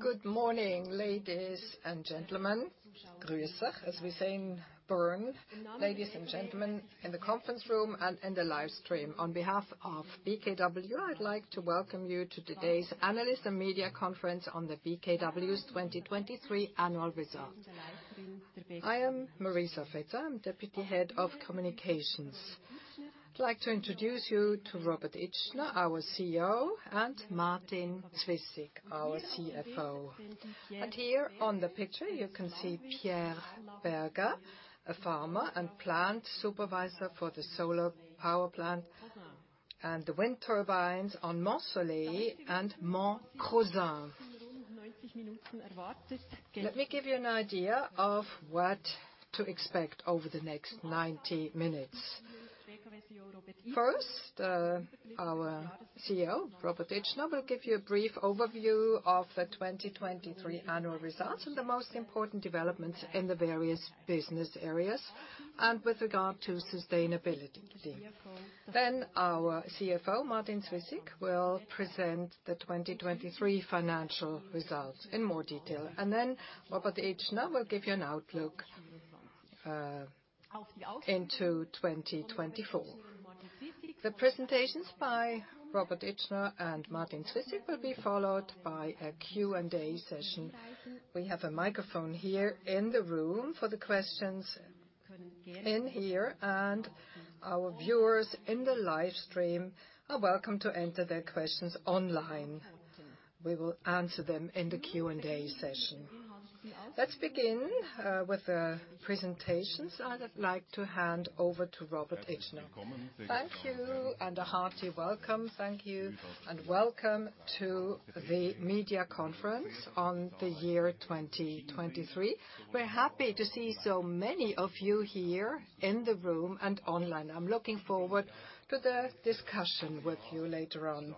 Good morning, ladies and gentlemen. Grüße, as we say in Bern. Ladies and gentlemen, in the conference room and in the livestream. On behalf of BKW, I'd like to welcome you to today's Analyst and Media Conference on the BKW's 2023 annual results. I am Marisa Fetzer, Deputy Head of Communications. I'd like to introduce you to Robert Itschner, our CEO, and Martin Zwyssig, our CFO. And here on the picture, you can see Pierre Berger, a farmer and plant supervisor for the solar power plant and the wind turbines on Mont-Soleil and Mont-Crosin. Let me give you an idea of what to expect over the next 90 minutes. First, our CEO, Robert Itschner, will give you a brief overview of the 2023 annual results and the most important developments in the various business areas and with regard to sustainability. Then our CFO, Martin Zwyssig, will present the 2023 financial results in more detail, and then Robert Itschner will give you an outlook into 2024. The presentations by Robert Itschner and Martin Zwyssig will be followed by a Q&A session. We have a microphone here in the room for the questions in here, and our viewers in the livestream are welcome to enter their questions online. We will answer them in the Q&A session. Let's begin with the presentations. I'd like to hand over to Robert Itschner. Thank you. Thank you, and a hearty welcome. Thank you, and welcome to the media conference on the year 2023. We're happy to see so many of you here in the room and online. I'm looking forward to the discussion with you later on,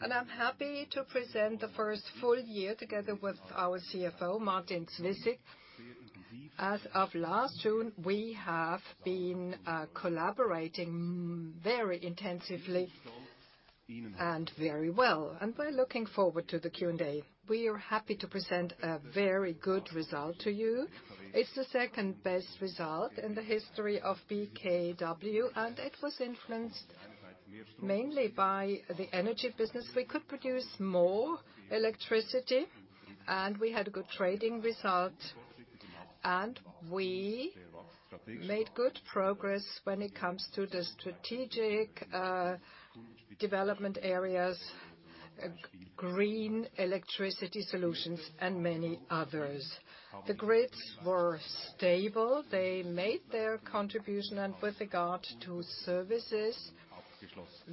and I'm happy to present the first full year together with our CFO, Martin Zwyssig. As of last June, we have been collaborating very intensively and very well, and we're looking forward to the Q&A. We are happy to present a very good result to you. It's the second best result in the history of BKW, and it was influenced mainly by the energy business. We could produce more electricity, and we had a good trading result, and we made good progress when it comes to the strategic development areas, green electricity solutions, and many others. The grids were stable. They made their contribution, and with regard to services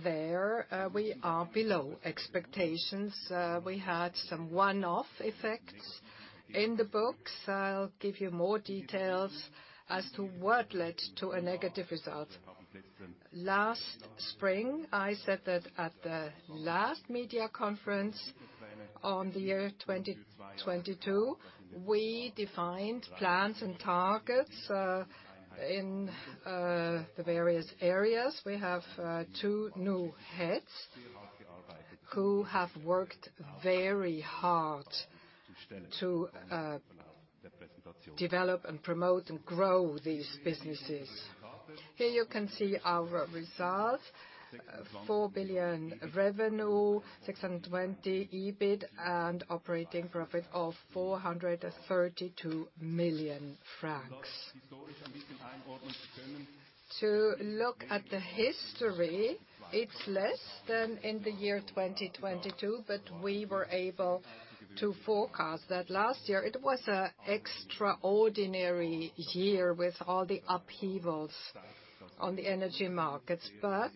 there, we are below expectations. We had some one-off effects in the books. I'll give you more details as to what led to a negative result. Last spring, I said that at the last media conference on the year 2022, we defined plans and targets in the various areas. We have two new heads who have worked very hard to develop and promote and grow these businesses. Here you can see our results: 4 billion revenue, 620 million EBIT, and operating profit of 432 million francs. To look at the history, it's less than in the year 2022, but we were able to forecast that last year it was an extraordinary year with all the upheavals on the energy markets. But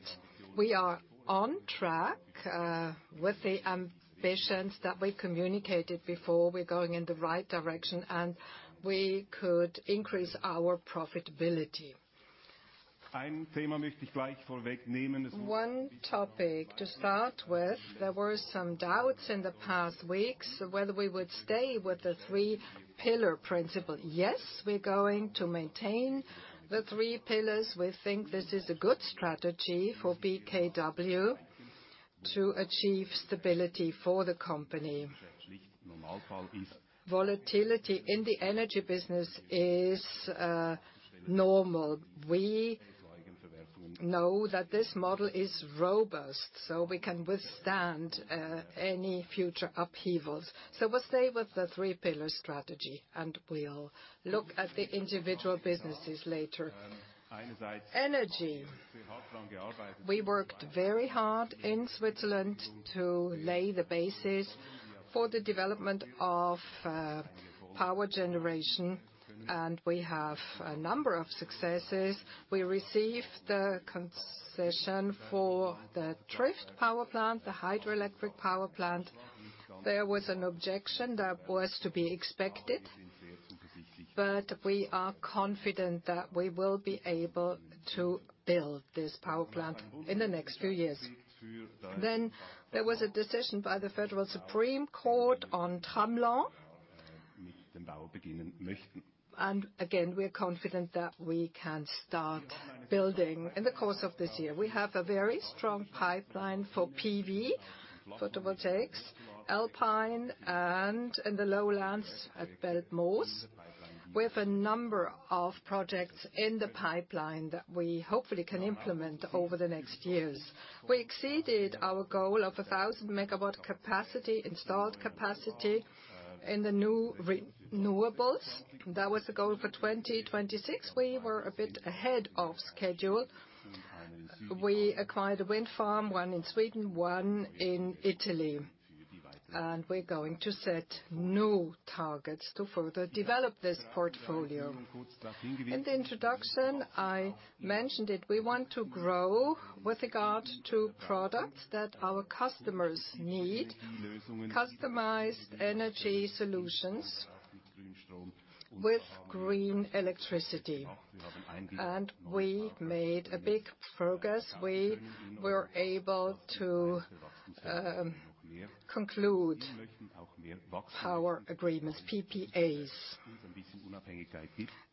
we are on track with the ambitions that we communicated before. We're going in the right direction, and we could increase our profitability. One topic to start with. There were some doubts in the past weeks whether we would stay with the three-pillar principle. Yes, we're going to maintain the three pillars. We think this is a good strategy for BKW to achieve stability for the company. Volatility in the energy business is normal. We know that this model is robust, so we can withstand any future upheavals. So we'll stay with the three-pillar strategy, and we'll look at the individual businesses later. Energy: we worked very hard in Switzerland to lay the basis for the development of power generation, and we have a number of successes. We received the concession for the Trift power plant, the hydroelectric power plant. There was an objection that was to be expected, but we are confident that we will be able to build this power plant in the next few years. Then there was a decision by the Federal Supreme Court on Tramelan. And again, we're confident that we can start building in the course of this year. We have a very strong pipeline for PV, photovoltaics, Alpine, and in the lowlands at Belpmoos, with a number of projects in the pipeline that we hopefully can implement over the next years. We exceeded our goal of 1,000 MW installed capacity in the new renewables. That was the goal for 2026. We were a bit ahead of schedule. We acquired a wind farm, one in Sweden, one in Italy, and we're going to set new targets to further develop this portfolio. In the introduction, I mentioned it. We want to grow with regard to products that our customers need: customized energy solutions with green electricity. And we made a big progress. We were able to conclude power agreements, PPAs.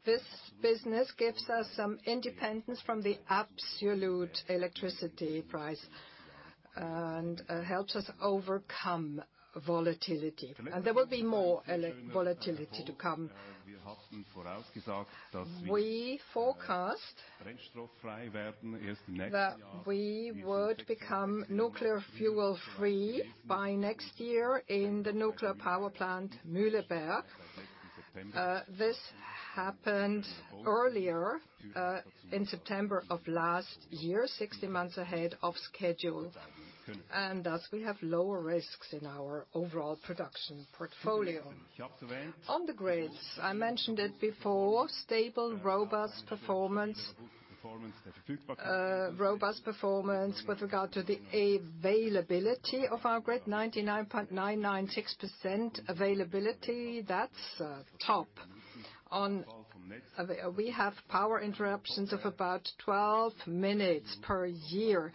This business gives us some independence from the absolute electricity price and helps us overcome volatility. There will be more volatility to come. We forecast that we would become nuclear fuel-free by next year in the nuclear power plant, Mühleberg. This happened earlier, in September of last year, 60 months ahead of schedule. Thus, we have lower risks in our overall production portfolio. On the grids, I mentioned it before: stable, robust performance. Robust performance with regard to the availability of our grid, 99.996% availability. That's top. We have power interruptions of about 12 minutes per year.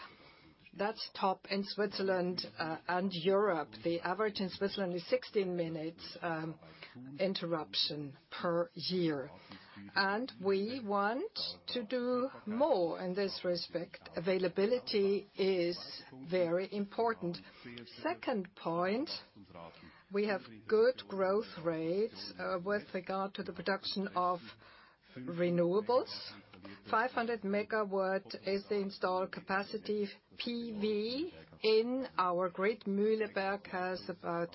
That's top in Switzerland and Europe. The average in Switzerland is 16 minutes interruption per year. We want to do more in this respect. Availability is very important. Second point: we have good growth rates with regard to the production of renewables. 500 MW is the installed capacity. PV in our grid, Mühleberg, has about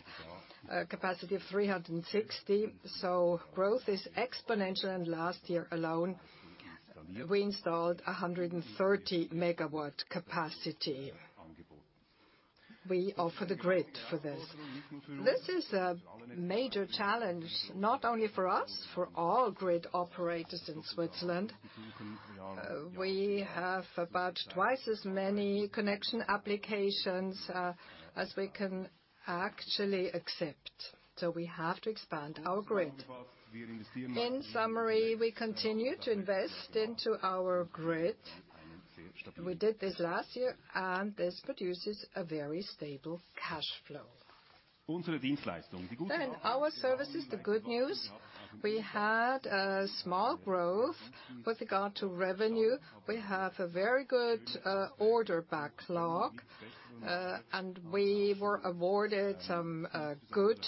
a capacity of 360, so growth is exponential. Last year alone, we installed 130 MW capacity. We offer the grid for this. This is a major challenge, not only for us, for all grid operators in Switzerland. We have about twice as many connection applications as we can actually accept, so we have to expand our grid. In summary, we continue to invest into our grid. We did this last year, and this produces a very stable cash flow. Our services, the good news: we had small growth with regard to revenue. We have a very good order backlog, and we were awarded some good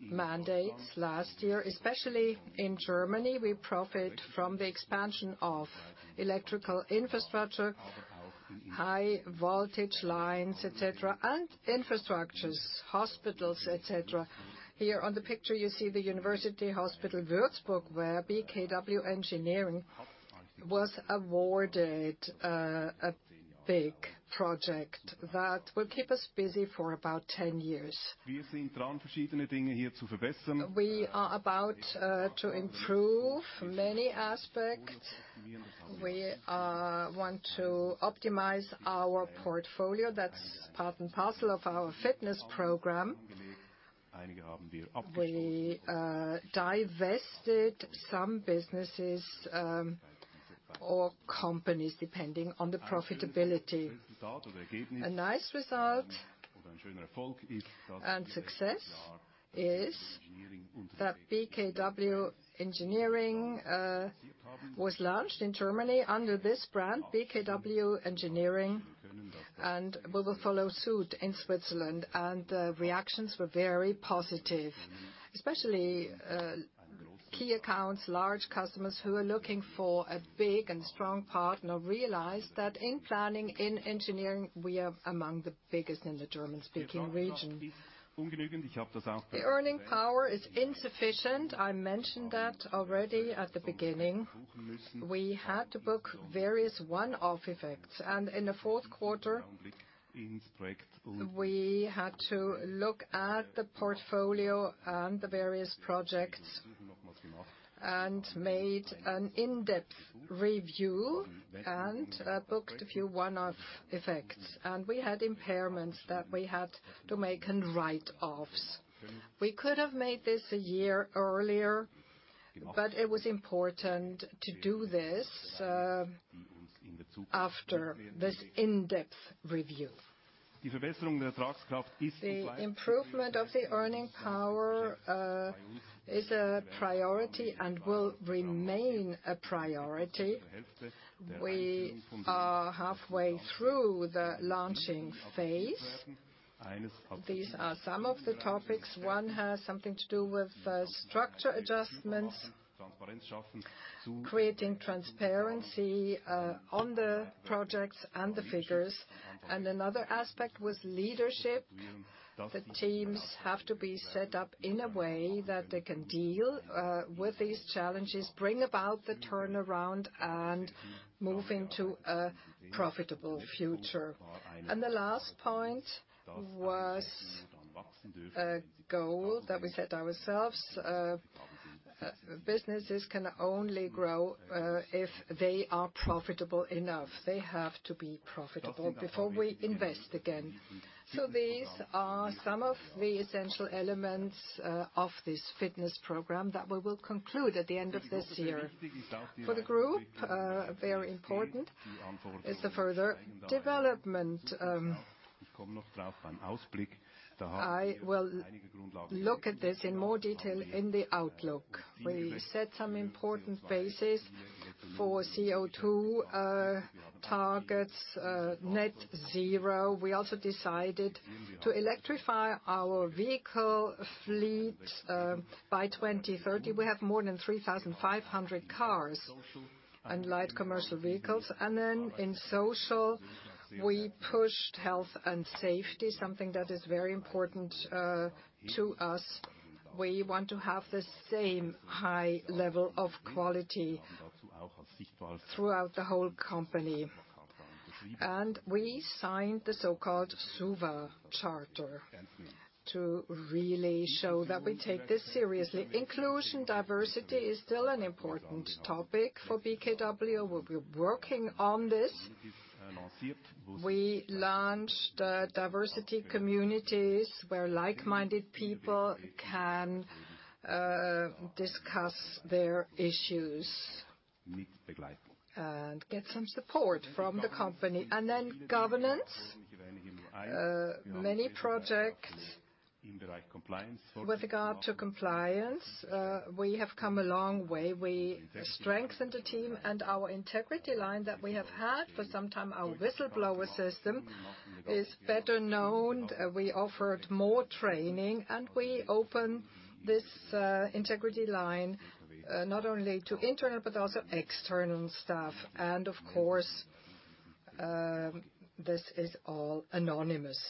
mandates last year, especially in Germany. We profit from the expansion of electrical infrastructure, high-voltage lines, etc., and infrastructures, hospitals, etc. Here on the picture, you see the University Hospital Würzburg, where BKW Engineering was awarded a big project that will keep us busy for about 10 years. We are about to improve many aspects. We want to optimize our portfolio. That's part and parcel of our fitness program. We divested some businesses or companies, depending on the profitability. A nice result and success is that BKW Engineering was launched in Germany under this brand, BKW Engineering, and we will follow suit in Switzerland. The reactions were very positive, especially key accounts, large customers who are looking for a big and strong partner realized that in planning, in engineering, we are among the biggest in the German-speaking region. The earning power is insufficient. I mentioned that already at the beginning. We had to book various one-off effects, and in the fourth quarter, we had to look at the portfolio and the various projects and made an in-depth review and booked a few one-off effects. We had impairments that we had to make and write-offs. We could have made this a year earlier, but it was important to do this after this in-depth review. The improvement of the earning power is a priority and will remain a priority. We are halfway through the launching phase. These are some of the topics. One has something to do with structure adjustments, creating transparency on the projects and the figures. Another aspect was leadership. The teams have to be set up in a way that they can deal with these challenges, bring about the turnaround, and move into a profitable future. The last point was a goal that we set ourselves: businesses can only grow if they are profitable enough. They have to be profitable before we invest again. These are some of the essential elements of this fitness program that we will conclude at the end of this year. For the group, very important is the further development. I will look at this in more detail in the Outlook. We set some important bases for CO2 targets, net zero. We also decided to electrify our vehicle fleet by 2030. We have more than 3,500 cars and light commercial vehicles. In social, we pushed health and safety, something that is very important to us. We want to have the same high level of quality throughout the whole company. We signed the so-called SUVA charter to really show that we take this seriously. Inclusion, diversity is still an important topic for BKW. We'll be working on this. We launched diversity communities where like-minded people can discuss their issues and get some support from the company. Then governance: many projects with regard to compliance. We have come a long way. We strengthened the team and our integrity line that we have had for some time. Our whistleblower system is better known. We offered more training, and we opened this integrity line not only to internal but also external staff. And of course, this is all anonymous,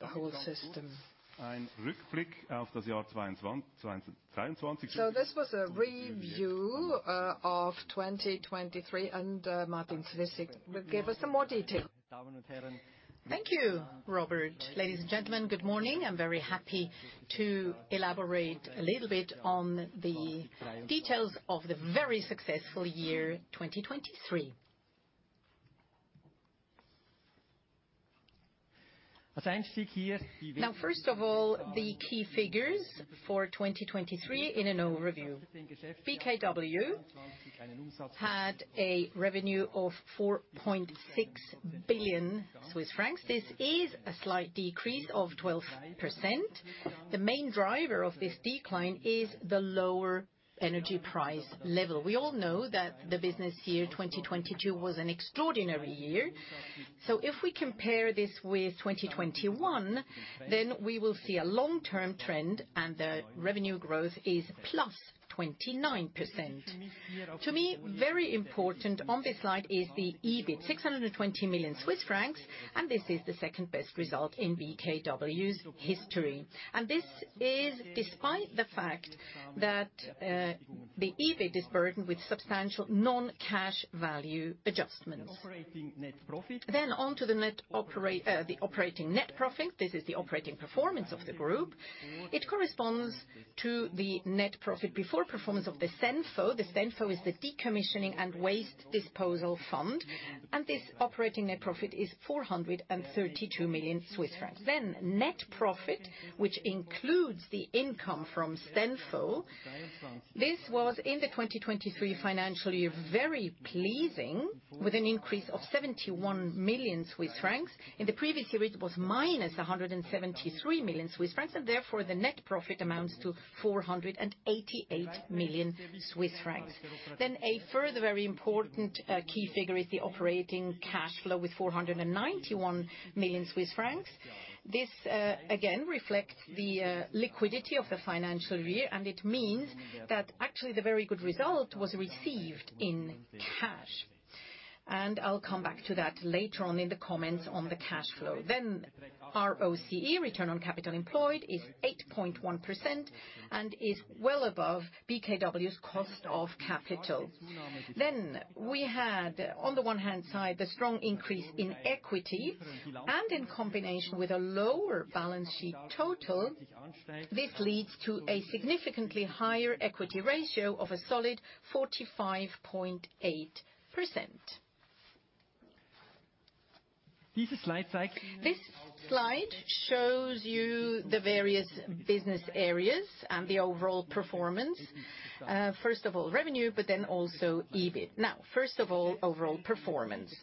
the whole system. So this was a review of 2023, and Martin Zwyssig will give us some more detail. Thank you, Robert. Ladies and gentlemen, good morning. I'm very happy to elaborate a little bit on the details of the very successful year 2023. Now, first of all, the key figures for 2023 in an overview: BKW had a revenue of 4.6 billion Swiss francs. This is a slight decrease of 12%. The main driver of this decline is the lower energy price level. We all know that the business year, 2022, was an extraordinary year. So if we compare this with 2021, then we will see a long-term trend, and the revenue growth is +29%. To me, very important on this slide is the EBIT, 620 million Swiss francs, and this is the second-best result in BKW's history. And this is despite the fact that the EBIT is burdened with substantial non-cash value adjustments. Then onto the operating net profit. This is the operating performance of the group. It corresponds to the net profit before performance of the CENFO. The CENFO is the Decommissioning and Waste Disposal Fund, and this operating net profit is 432 million Swiss francs. Then net profit, which includes the income from CENFO. This was, in the 2023 financial year, very pleasing, with an increase of 71 million Swiss francs. In the previous year, it was minus 173 million Swiss francs, and therefore the net profit amounts to 488 million Swiss francs. Then a further very important key figure is the operating cash flow with 491 million Swiss francs. This, again, reflects the liquidity of the financial year, and it means that actually the very good result was received in cash. And I'll come back to that later on in the comments on the cash flow. Then ROCE, return on capital employed, is 8.1% and is well above BKW's cost of capital. Then we had, on the one hand side, the strong increase in equity, and in combination with a lower balance sheet total, this leads to a significantly higher equity ratio of a solid 45.8%. This slide shows you the various business areas and the overall performance. First of all, revenue, but then also EBIT. Now, first of all, overall performance.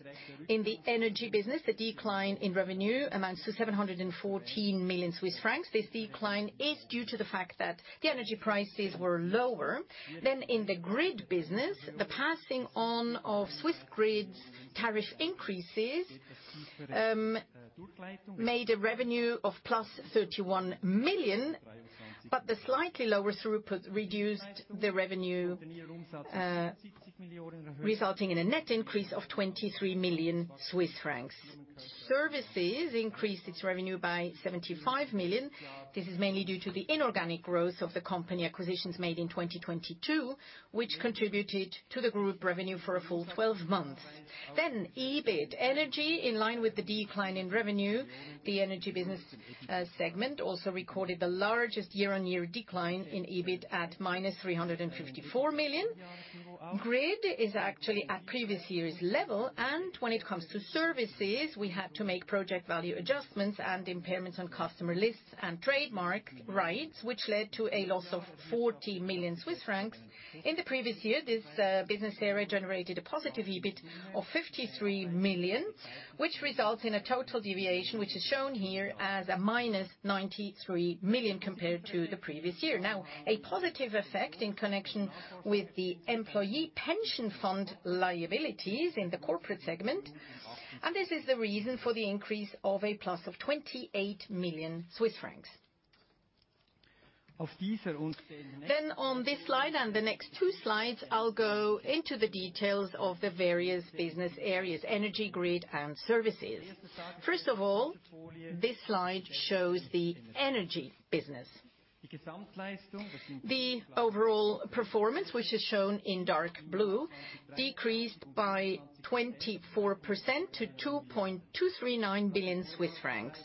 In the energy business, the decline in revenue amounts to 714 million Swiss francs. This decline is due to the fact that the energy prices were lower. Then in the grid business, the passing on of Swissgrid's tariff increases made a revenue of plus 31 million, but the slightly lower throughput reduced the revenue, resulting in a net increase of 23 million Swiss francs. Services increased its revenue by 75 million. This is mainly due to the inorganic growth of the company acquisitions made in 2022, which contributed to the group revenue for a full 12 months. Then EBIT. Energy, in line with the decline in revenue, the energy business segment also recorded the largest year-on-year decline in EBIT at -354 million. Grid is actually at previous year's level. And when it comes to services, we had to make project value adjustments and impairments on customer lists and trademark rights, which led to a loss of 40 million Swiss francs. In the previous year, this business area generated a positive EBIT of 53 million, which results in a total deviation, which is shown here as a -93 million compared to the previous year. Now, a positive effect in connection with the employee pension fund liabilities in the corporate segment, and this is the reason for the increase of a plus of 28 million Swiss francs. Then on this slide and the next two slides, I'll go into the details of the various business areas, energy, grid, and services. First of all, this slide shows the energy business. The overall performance, which is shown in dark blue, decreased by 24% to 2.239 billion Swiss francs.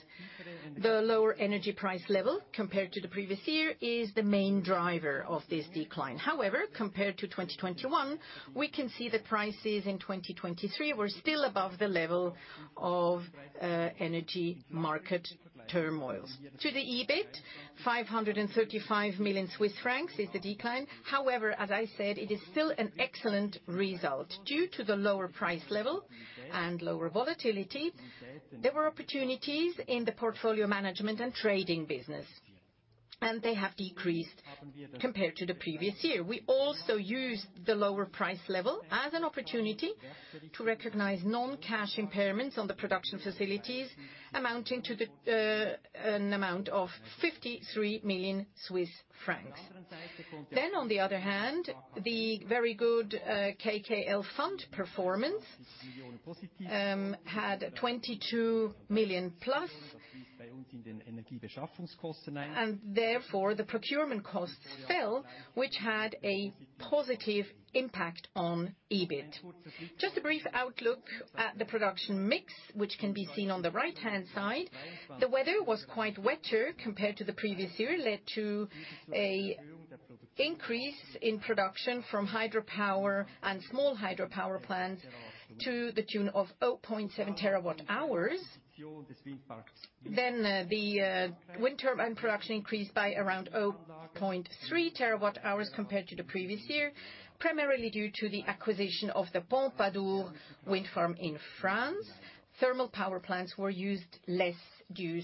The lower energy price level compared to the previous year is the main driver of this decline. However, compared to 2021, we can see that prices in 2023 were still above the level of energy market turmoils. To the EBIT, 535 million Swiss francs is the decline. However, as I said, it is still an excellent result. Due to the lower price level and lower volatility, there were opportunities in the portfolio management and trading business, and they have decreased compared to the previous year. We also used the lower price level as an opportunity to recognize non-cash impairments on the production facilities amounting to an amount of 53 million Swiss francs. Then, on the other hand, the very good KKL fund performance had +CHF 22 million, and therefore the procurement costs fell, which had a positive impact on EBIT. Just a brief outlook at the production mix, which can be seen on the right-hand side. The weather was quite wetter compared to the previous year, led to an increase in production from hydropower and small hydropower plants to the tune of 0.7 TWh. Then the wind turbine production increased by around 0.3 TWh compared to the previous year, primarily due to the acquisition of the Pompadour wind farm in France. Thermal power plants were used less due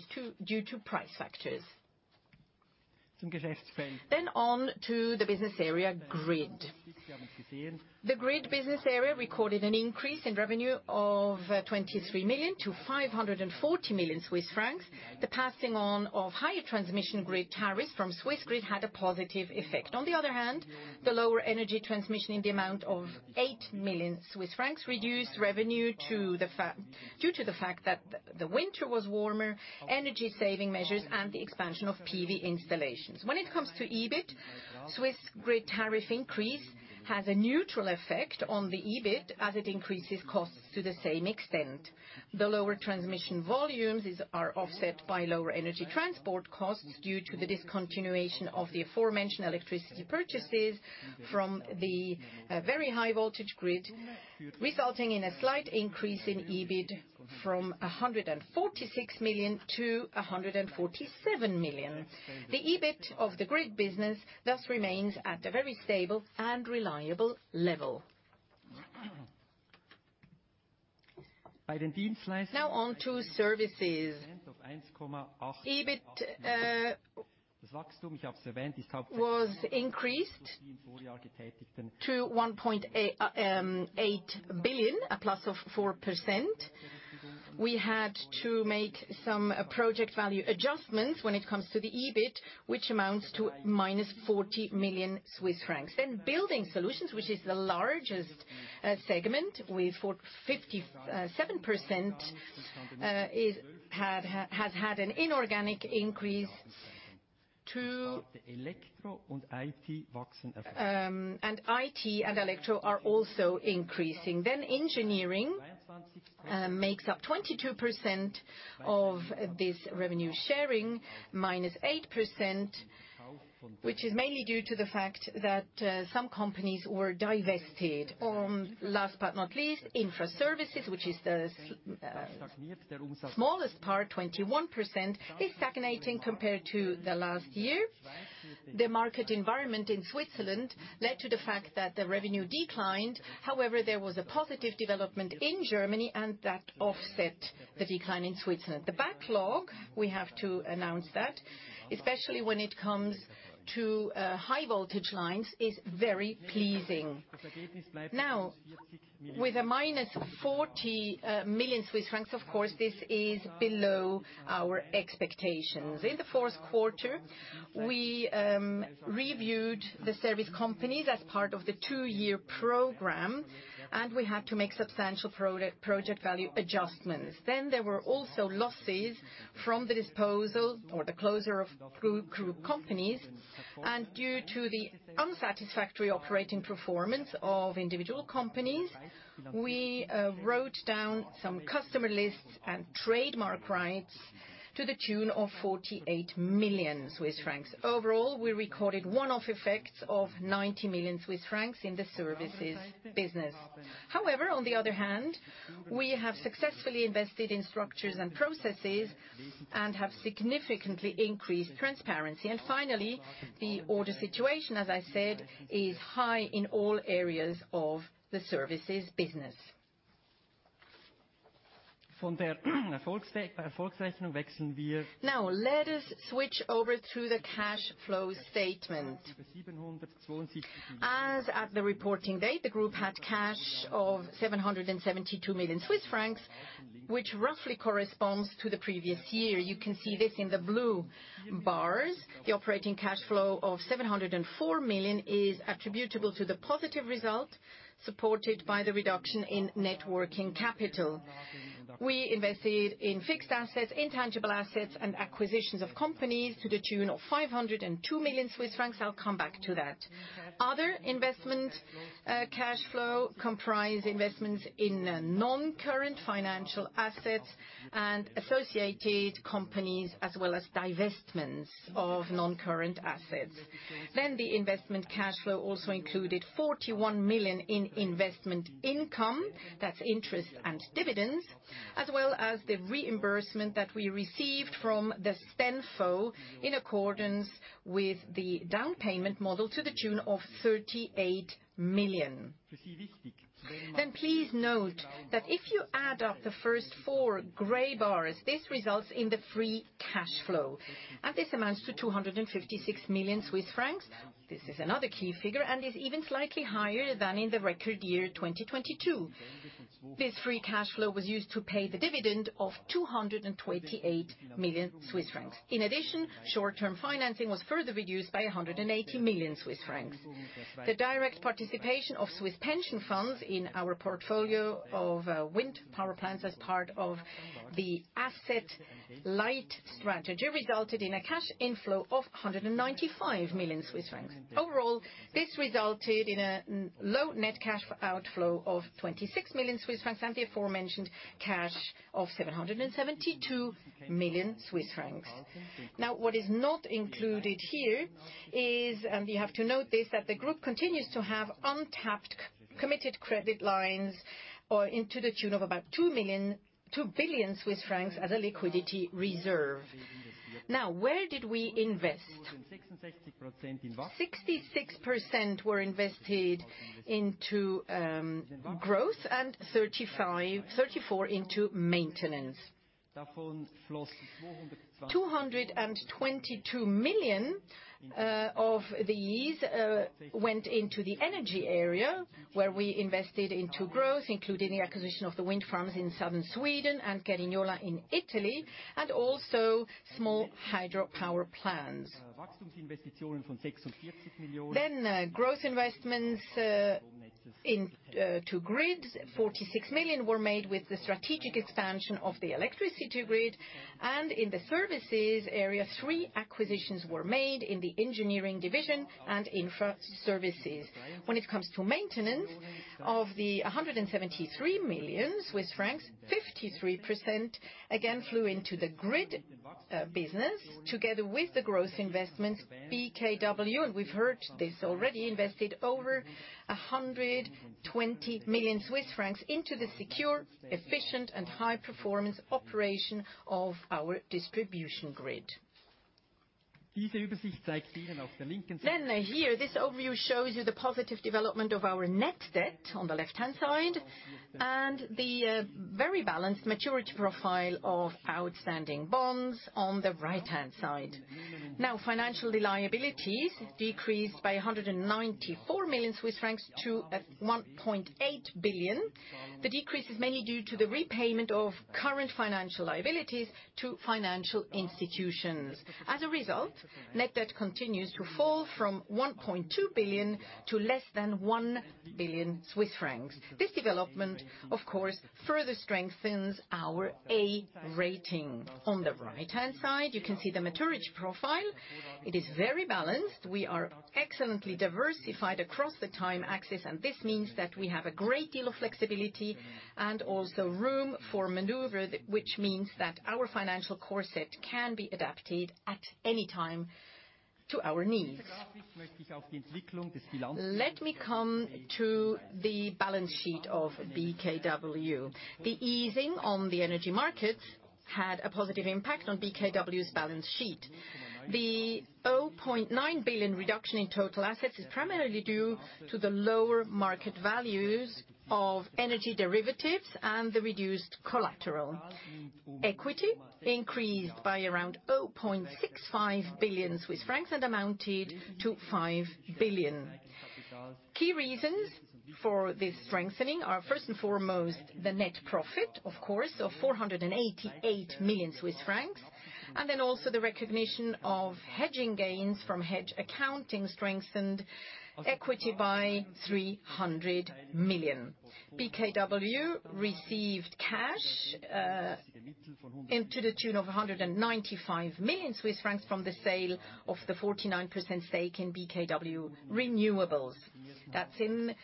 to price factors. Then on to the business area, grid. The grid business area recorded an increase in revenue of 23 million to 540 million Swiss francs. The passing on of higher transmission grid tariffs from Swissgrid had a positive effect. On the other hand, the lower energy transmission in the amount of 8 million Swiss francs reduced revenue due to the fact that the winter was warmer, energy saving measures, and the expansion of PV installations. When it comes to EBIT, Swissgrid tariff increase has a neutral effect on the EBIT as it increases costs to the same extent. The lower transmission volumes are offset by lower energy transport costs due to the discontinuation of the aforementioned electricity purchases from the very high-voltage grid, resulting in a slight increase in EBIT from 146 million to 147 million. The EBIT of the grid business thus remains at a very stable and reliable level. Now on to services. EBIT was increased to 1.8 billion, a plus of 4%. We had to make some project value adjustments when it comes to the EBIT, which amounts to minus 40 million Swiss francs. Then building solutions, which is the largest segment with 57%, has had an inorganic increase to. And IT and electro are also increasing. Then engineering makes up 22% of this revenue sharing, minus 8%, which is mainly due to the fact that some companies were divested. Last but not least, infra services, which is the smallest part, 21%, is stagnating compared to the last year. The market environment in Switzerland led to the fact that the revenue declined. However, there was a positive development in Germany, and that offset the decline in Switzerland. The backlog, we have to announce that, especially when it comes to high-voltage lines, is very pleasing. Now, with -40 million Swiss francs, of course, this is below our expectations. In the fourth quarter, we reviewed the service companies as part of the two-year program, and we had to make substantial project value adjustments. Then there were also losses from the disposal or the closure of group companies. Due to the unsatisfactory operating performance of individual companies, we wrote down some customer lists and trademark rights to the tune of 48 million Swiss francs. Overall, we recorded one-off effects of 90 million Swiss francs in the services business. However, on the other hand, we have successfully invested in structures and processes and have significantly increased transparency. And finally, the order situation, as I said, is high in all areas of the services business. Now, let us switch over to the cash flow statement. As at the reporting date, the group had cash of 772 million Swiss francs, which roughly corresponds to the previous year. You can see this in the blue bars. The operating cash flow of 704 million is attributable to the positive result supported by the reduction in working capital. We invested in fixed assets, intangible assets, and acquisitions of companies to the tune of 502 million Swiss francs. I'll come back to that. Other investment cash flow comprised investments in non-current financial assets and associated companies, as well as divestments of non-current assets. The investment cash flow also included 41 million in investment income. That's interest and dividends, as well as the reimbursement that we received from the CENFO in accordance with the down payment model to the tune of 38 million. Please note that if you add up the first four gray bars, this results in the free cash flow, and this amounts to 256 million Swiss francs. This is another key figure and is even slightly higher than in the record year, 2022. This free cash flow was used to pay the dividend of 228 million Swiss francs. In addition, short-term financing was further reduced by 180 million Swiss francs. The direct participation of Swiss pension funds in our portfolio of wind power plants as part of the asset light strategy resulted in a cash inflow of 195 million Swiss francs. Overall, this resulted in a low net cash outflow of 26 million Swiss francs and the aforementioned cash of 772 million Swiss francs. Now, what is not included here is, and you have to note this, that the group continues to have untapped committed credit lines into the tune of about 2 billion Swiss francs as a liquidity reserve. Now, where did we invest? 66% were invested into growth and 34% into maintenance. 222 million of these went into the energy area, where we invested into growth, including the acquisition of the wind farms in southern Sweden and Cerignola in Italy, and also small hydropower plants. Growth investments to grids, 46 million were made with the strategic expansion of the electricity grid. In the services area, three acquisitions were made in the engineering division and infra services. When it comes to maintenance of the 173 million Swiss francs, 53% again flew into the grid business together with the growth investments, BKW, and we've heard this already, invested over 120 million Swiss francs into the secure, efficient, and high-performance operation of our distribution grid. Here, this overview shows you the positive development of our net debt on the left-hand side and the very balanced maturity profile of outstanding bonds on the right-hand side. Financial liabilities decreased by 194 million Swiss francs to 1.8 billion. The decrease is mainly due to the repayment of current financial liabilities to financial institutions. As a result, net debt continues to fall from 1.2 billion to less than 1 billion Swiss francs. This development, of course, further strengthens our A rating. On the right-hand side, you can see the maturity profile. It is very balanced. We are excellently diversified across the time axis, and this means that we have a great deal of flexibility and also room for maneuver, which means that our financial corset can be adapted at any time to our needs. Let me come to the balance sheet of BKW. The easing on the energy markets had a positive impact on BKW's balance sheet. The 0.9 billion reduction in total assets is primarily due to the lower market values of energy derivatives and the reduced collateral. Equity increased by around 0.65 billion Swiss francs and amounted to 5 billion. Key reasons for this strengthening are, first and foremost, the net profit, of course, of 488 million Swiss francs, and then also the recognition of hedging gains from hedge accounting strengthened equity by 300 million. BKW received cash into the tune of 195 million Swiss francs from the sale of the 49% stake in BKW Renewables. That's in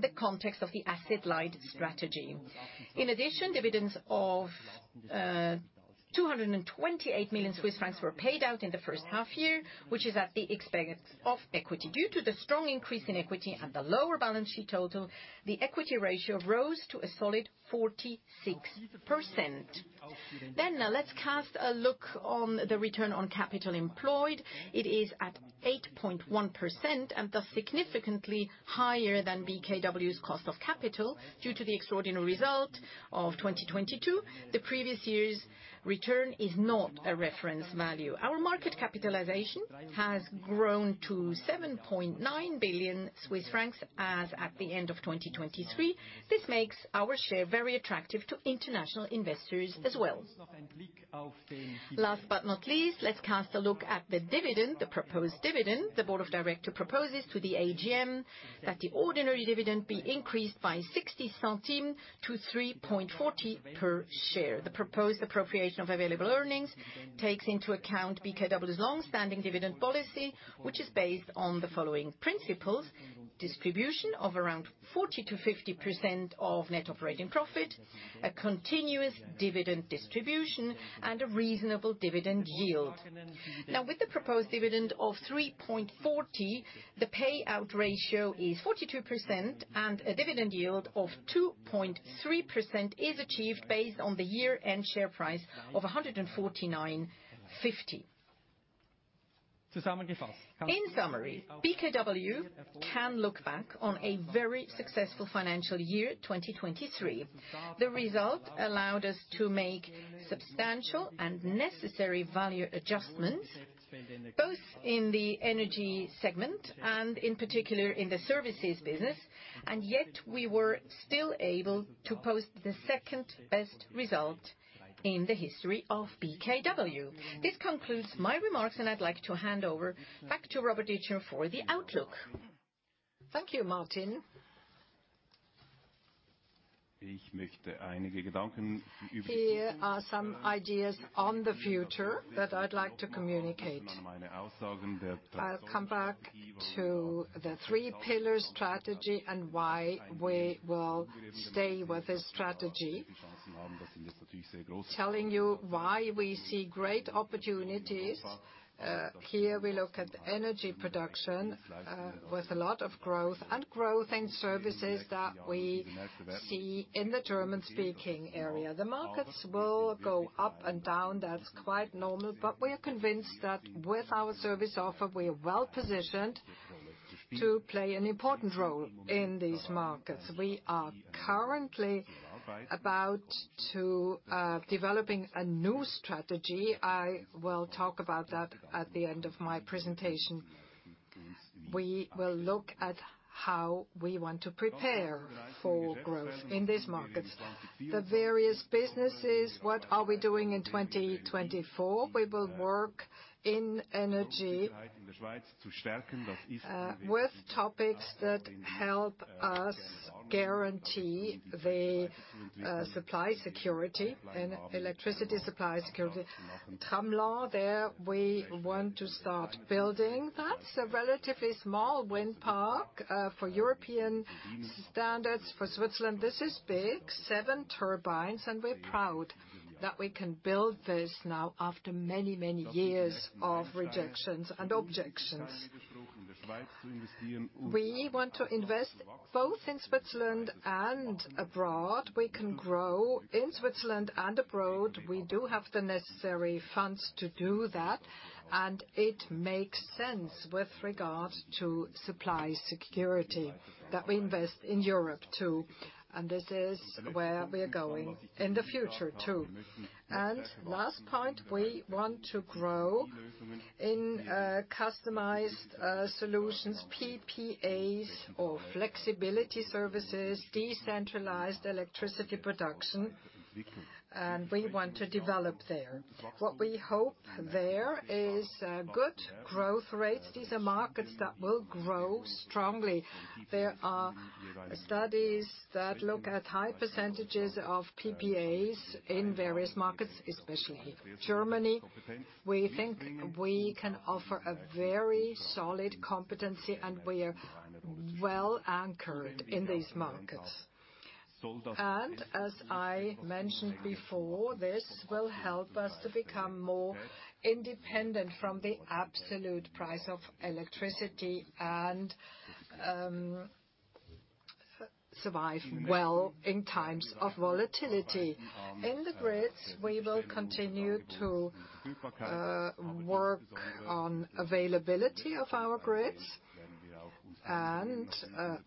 the context of the asset light strategy. In addition, dividends of 228 million Swiss francs were paid out in the first half year, which is at the expense of equity. Due to the strong increase in equity and the lower balance sheet total, the equity ratio rose to a solid 46%. Then let's cast a look on the return on capital employed. It is at 8.1% and thus significantly higher than BKW's cost of capital due to the extraordinary result of 2022. The previous year's return is not a reference value. Our market capitalization has grown to 7.9 billion Swiss francs as at the end of 2023. This makes our share very attractive to international investors as well. Last but not least, let's cast a look at the dividend, the proposed dividend the board of directors proposes to the AGM, that the ordinary dividend be increased by 0.60 centimes to 3.40 per share. The proposed appropriation of available earnings takes into account BKW's longstanding dividend policy, which is based on the following principles: distribution of around 40%-50% of net operating profit, a continuous dividend distribution, and a reasonable dividend yield. Now, with the proposed dividend of 3.40, the payout ratio is 42%, and a dividend yield of 2.3% is achieved based on the year-end share price of 149.50. In summary, BKW can look back on a very successful financial year, 2023. The result allowed us to make substantial and necessary value adjustments both in the energy segment and, in particular, in the services business, and yet we were still able to post the second-best result in the history of BKW. This concludes my remarks, and I'd like to hand over back to Robert Itschner for the outlook. Thank you, Martin. Here are some ideas on the future that I'd like to communicate. I'll come back to the three-pillar strategy and why we will stay with this strategy, telling you why we see great opportunities. Here, we look at energy production with a lot of growth and growth in services that we see in the German-speaking area. The markets will go up and down. That's quite normal, but we are convinced that with our service offer, we are well positioned to play an important role in these markets. We are currently about to be developing a new strategy. I will talk about that at the end of my presentation. We will look at how we want to prepare for growth in these markets. The various businesses, what are we doing in 2024? We will work in energy with topics that help us guarantee the supply security and electricity supply security. Tramelan, there, we want to start building. That's a relatively small wind park. For European standards, for Switzerland, this is big, seven turbines, and we're proud that we can build this now after many, many years of rejections and objections. We want to invest both in Switzerland and abroad. We can grow in Switzerland and abroad. We do have the necessary funds to do that, and it makes sense with regard to supply security that we invest in Europe too. This is where we are going in the future too. Last point, we want to grow in customized solutions, PPAs or flexibility services, decentralized electricity production, and we want to develop there. What we hope there is good growth rates. These are markets that will grow strongly. There are studies that look at high percentages of PPAs in various markets, especially Germany. We think we can offer a very solid competency, and we are well anchored in these markets. As I mentioned before, this will help us to become more independent from the absolute price of electricity and survive well in times of volatility. In the grids, we will continue to work on availability of our grids.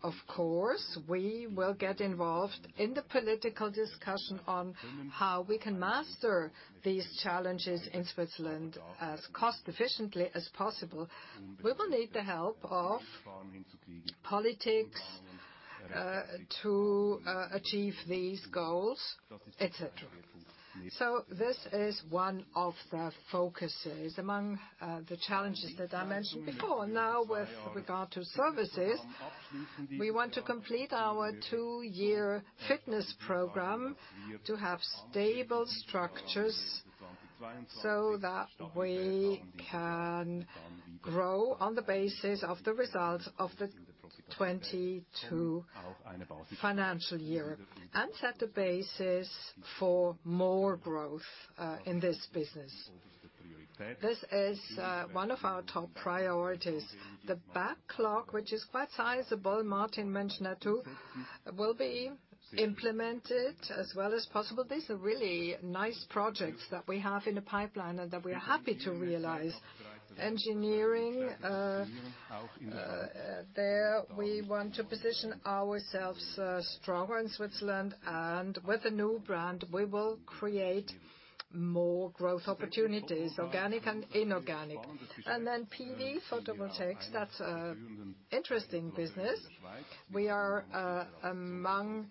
Of course, we will get involved in the political discussion on how we can master these challenges in Switzerland as cost-efficiently as possible. We will need the help of politics to achieve these goals, etc. So this is one of the focuses among the challenges that I mentioned before. Now, with regard to services, we want to complete our two-year fitness program to have stable structures so that we can grow on the basis of the results of the 2022 financial year and set the basis for more growth in this business. This is one of our top priorities. The backlog, which is quite sizable, Martin mentioned that too, will be implemented as well as possible. These are really nice projects that we have in the pipeline and that we are happy to realize. Engineering, there, we want to position ourselves stronger in Switzerland, and with a new brand, we will create more growth opportunities, organic and inorganic. And then PV, photovoltaics, that's an interesting business. We are among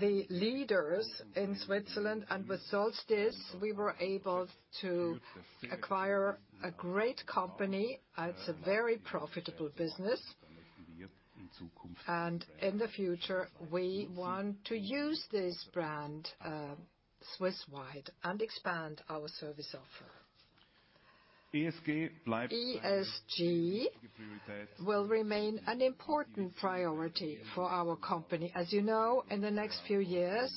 the leaders in Switzerland, and with Solstis, we were able to acquire a great company. It's a very profitable business. In the future, we want to use this brand Swisswide and expand our service offer. ESG will remain an important priority for our company. As you know, in the next few years,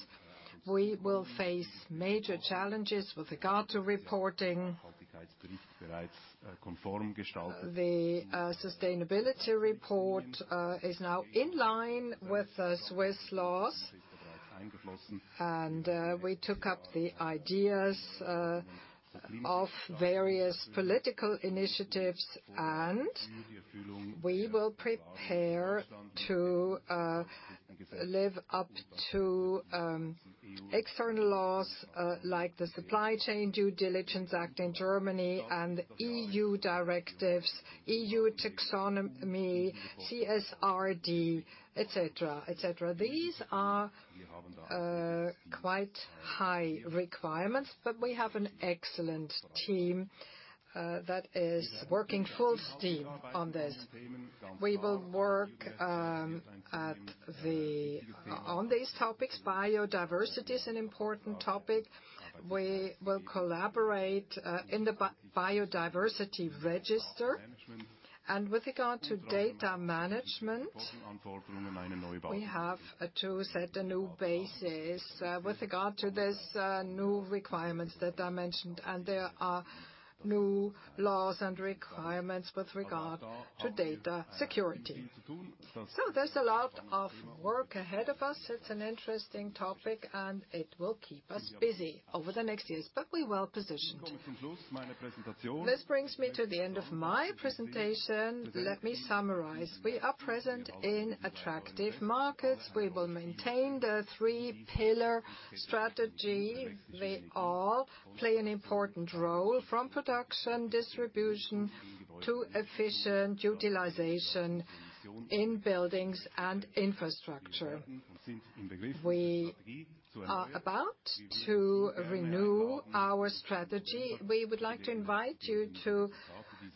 we will face major challenges with regard to reporting. The sustainability report is now in line with Swiss laws, and we took up the ideas of various political initiatives, and we will prepare to live up to external laws like the Supply Chain Due Diligence Act in Germany and the EU directives, EU taxonomy, CSRD, etc., etc. These are quite high requirements, but we have an excellent team that is working full steam on this. We will work on these topics. Biodiversity is an important topic. We will collaborate in the biodiversity register. With regard to data management, we have to set a new basis with regard to these new requirements that I mentioned, and there are new laws and requirements with regard to data security. So there's a lot of work ahead of us. It's an interesting topic, and it will keep us busy over the next years, but we're well positioned. This brings me to the end of my presentation. Let me summarize. We are present in attractive markets. We will maintain the three-pillar strategy. They all play an important role from production distribution to efficient utilization in buildings and infrastructure. We are about to renew our strategy. We would like to invite you to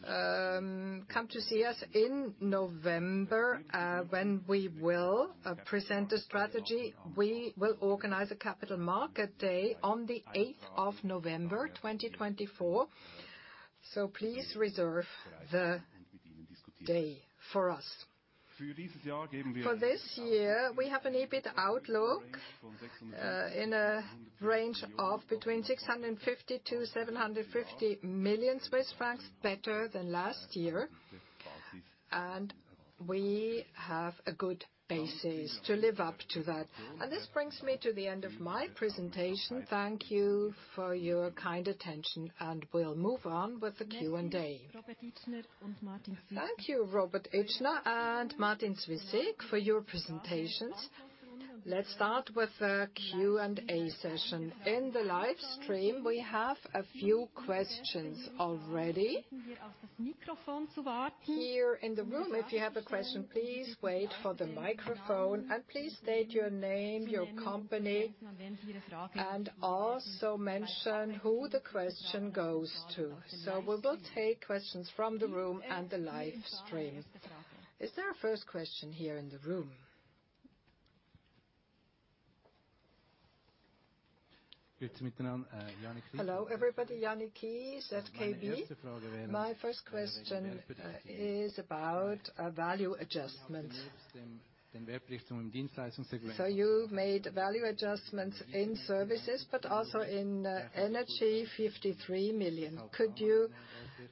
come to see us in November when we will present the strategy. We will organize a capital market day on the 8th of November, 2024. So please reserve the day for us. For this year, we have an EBIT outlook in a range of between 650 million-750 million Swiss francs, better than last year, and we have a good basis to live up to that. And this brings me to the end of my presentation. Thank you for your kind attention, and we'll move on with the Q&A. Thank you, Robert Itschner and Martin Zwyssig for your presentations. Let's start with the Q&A session. In the live stream, we have a few questions already. Here in the room, if you have a question, please wait for the microphone, and please state your name, your company, and also mention who the question goes to. So we will take questions from the room and the live stream. Is there a first question here in the room? Hello, everybody. Yannik Kiess at ZKB. My first question is about value adjustment. So you made value adjustments in services but also in energy, 53 million. Could you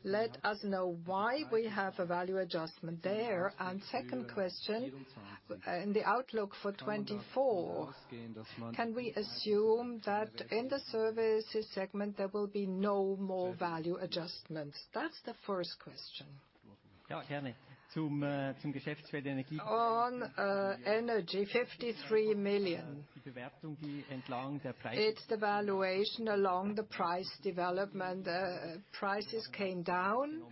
let us know why we have a value adjustment there? And second question, in the outlook for 2024, can we assume that in the services segment there will be no more value adjustments? That's the first question. On energy, 53 million. It's the valuation along the price development. Prices came down,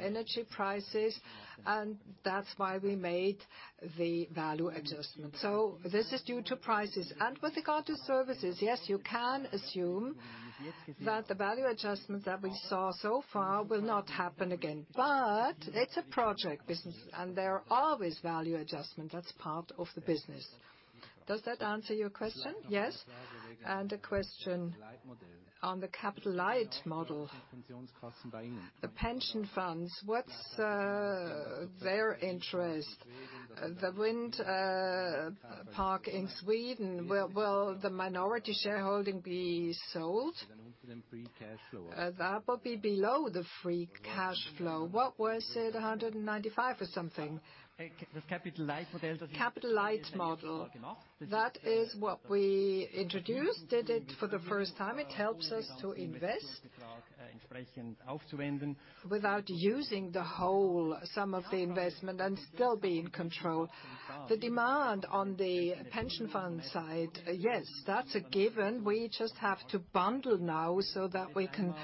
energy prices, and that's why we made the value adjustment. So this is due to prices. And with regard to services, yes, you can assume that the value adjustments that we saw so far will not happen again. But it's a project business, and there are always value adjustments. That's part of the business. Does that answer your question? Yes? And a question on the capital light model. The pension funds, what's their interest? The wind farm in Sweden, will the minority shareholding be sold? That will be below the free cash flow. What was it? 195 or something. The asset light model. That is what we introduced. Did it for the first time? It helps us to invest without using some of the investment and still be in control. The demand on the pension fund side, yes, that's a given. We just have to bundle now so that we can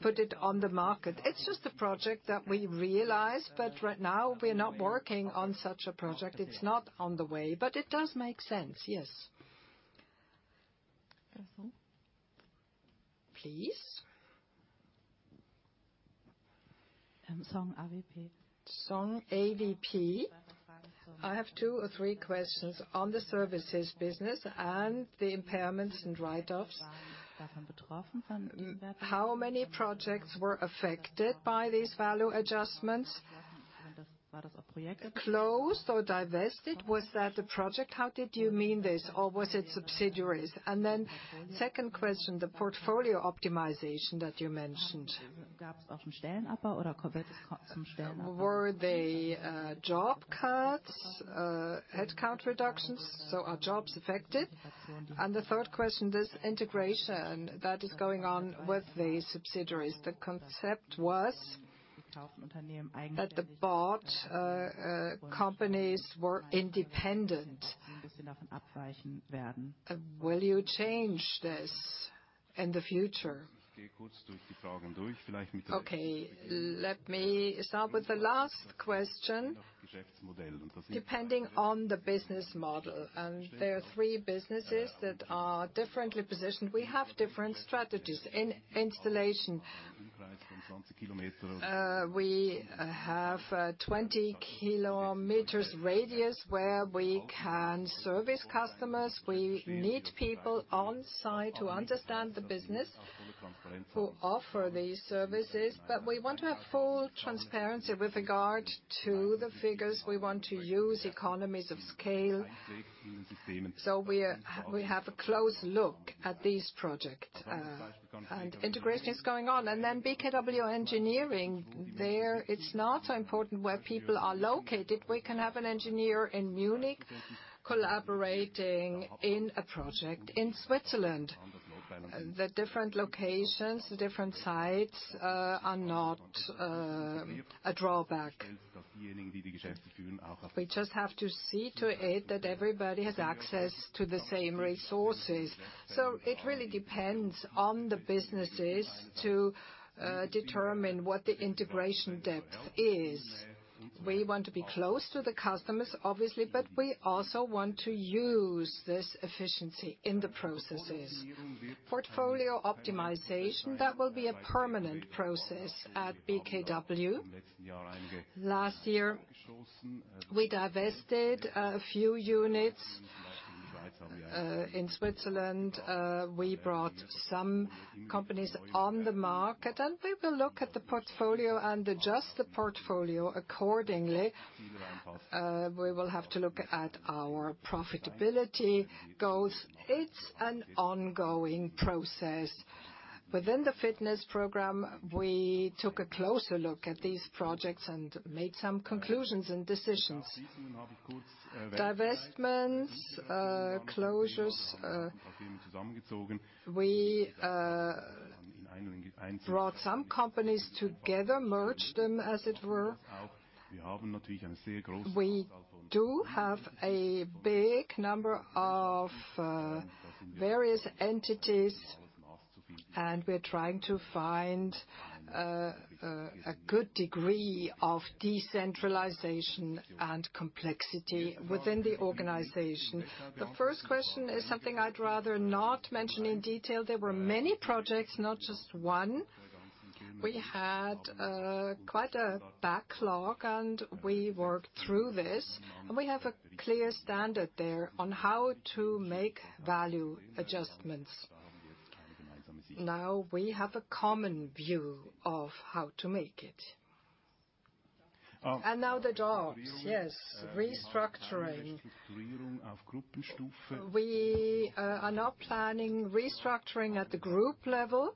put it on the market. It's just a project that we realized, but right now, we're not working on such a project. It's not on the way, but it does make sense. Yes. Please. Chong AVP. I have two or three questions on the services business and the impairments and write-offs. How many projects were affected by these value adjustments? Closed or divested? Was that a project? How did you mean this, or was it subsidiaries? And then second question, the portfolio optimization that you mentioned. Were they job cuts, headcount reductions? So are jobs affected? And the third question is integration that is going on with the subsidiaries. The concept was that the board companies were independent. Will you change this in the future? Okay. Let me start with the last question. Depending on the business model. And there are three businesses that are differently positioned. We have different strategies in installation. We have a 20 km radius where we can service customers. We need people on site who understand the business, who offer these services, but we want to have full transparency with regard to the figures we want to use, economies of scale. So we have a close look at these projects, and integration is going on. BKW Engineering, there, it's not so important where people are located. We can have an engineer in Munich collaborating in a project in Switzerland. The different locations, the different sites are not a drawback. We just have to see to it that everybody has access to the same resources. So it really depends on the businesses to determine what the integration depth is. We want to be close to the customers, obviously, but we also want to use this efficiency in the processes. Portfolio optimization, that will be a permanent process at BKW. Last year, we divested a few units in Switzerland. We brought some companies on the market, and we will look at the portfolio and adjust the portfolio accordingly. We will have to look at our profitability goals. It's an ongoing process. Within the fitness program, we took a closer look at these projects and made some conclusions and decisions. Divestments, closures. We brought some companies together, merged them, as it were. We do have a big number of various entities, and we're trying to find a good degree of decentralization and complexity within the organization. The first question is something I'd rather not mention in detail. There were many projects, not just one. We had quite a backlog, and we worked through this. We have a clear standard there on how to make value adjustments. Now, we have a common view of how to make it. And now the dogs. Yes. Restructuring. We are now planning restructuring at the group level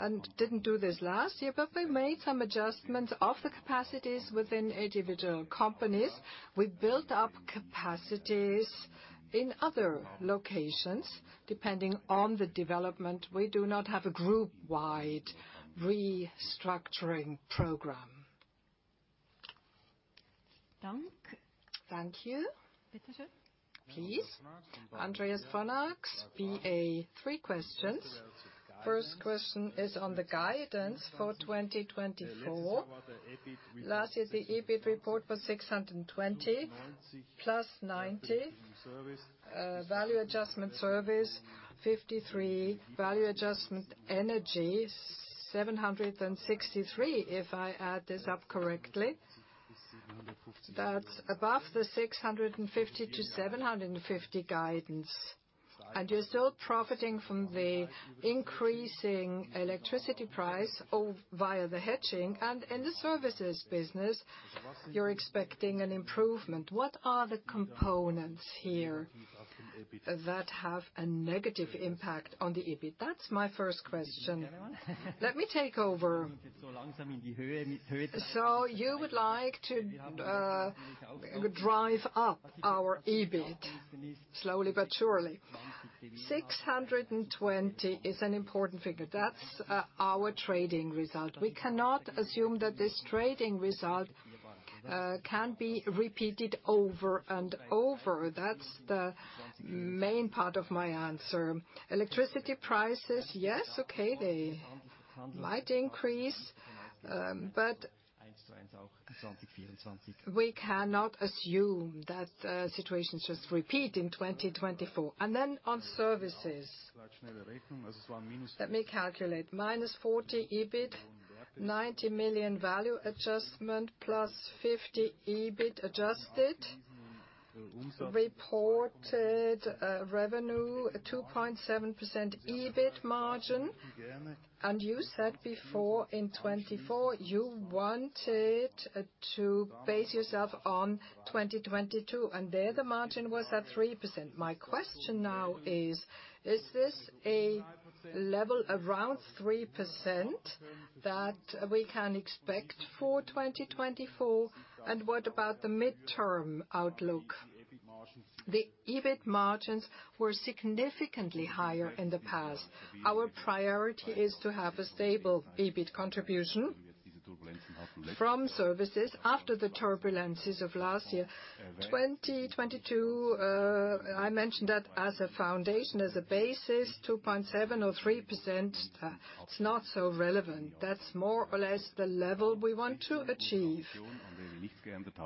and didn't do this last year, but we made some adjustments of the capacities within individual companies. We built up capacities in other locations depending on the development. We do not have a group-wide restructuring program. Thank you. Please. Andreas von Arx, BA, 3 questions. First question is on the guidance for 2024. Last year, the EBIT report was 620 + 90. Value adjustment service, 53. Value adjustment energy, 763 if I add this up correctly. That's above the 650-750 guidance. And you're still profiting from the increasing electricity price via the hedging. And in the services business, you're expecting an improvement. What are the components here that have a negative impact on the EBIT? That's my first question. Let me take over. So you would like to drive up our EBIT slowly but surely. 620 is an important figure. That's our trading result. We cannot assume that this trading result can be repeated over and over. That's the main part of my answer. Electricity prices, yes, okay, they might increase, but we cannot assume that situations just repeat in 2024. Then on services, let me calculate. Minus 40 million EBIT, 90 million value adjustment plus 50 million EBIT adjusted. Reported revenue, 2.7% EBIT margin. You said before in 2024, you wanted to base yourself on 2022, and there the margin was at 3%. My question now is, is this a level around 3% that we can expect for 2024? And what about the midterm outlook? The EBIT margins were significantly higher in the past. Our priority is to have a stable EBIT contribution from services after the turbulences of last year. 2022, I mentioned that as a foundation, as a basis, 2.7% or 3%, it's not so relevant. That's more or less the level we want to achieve.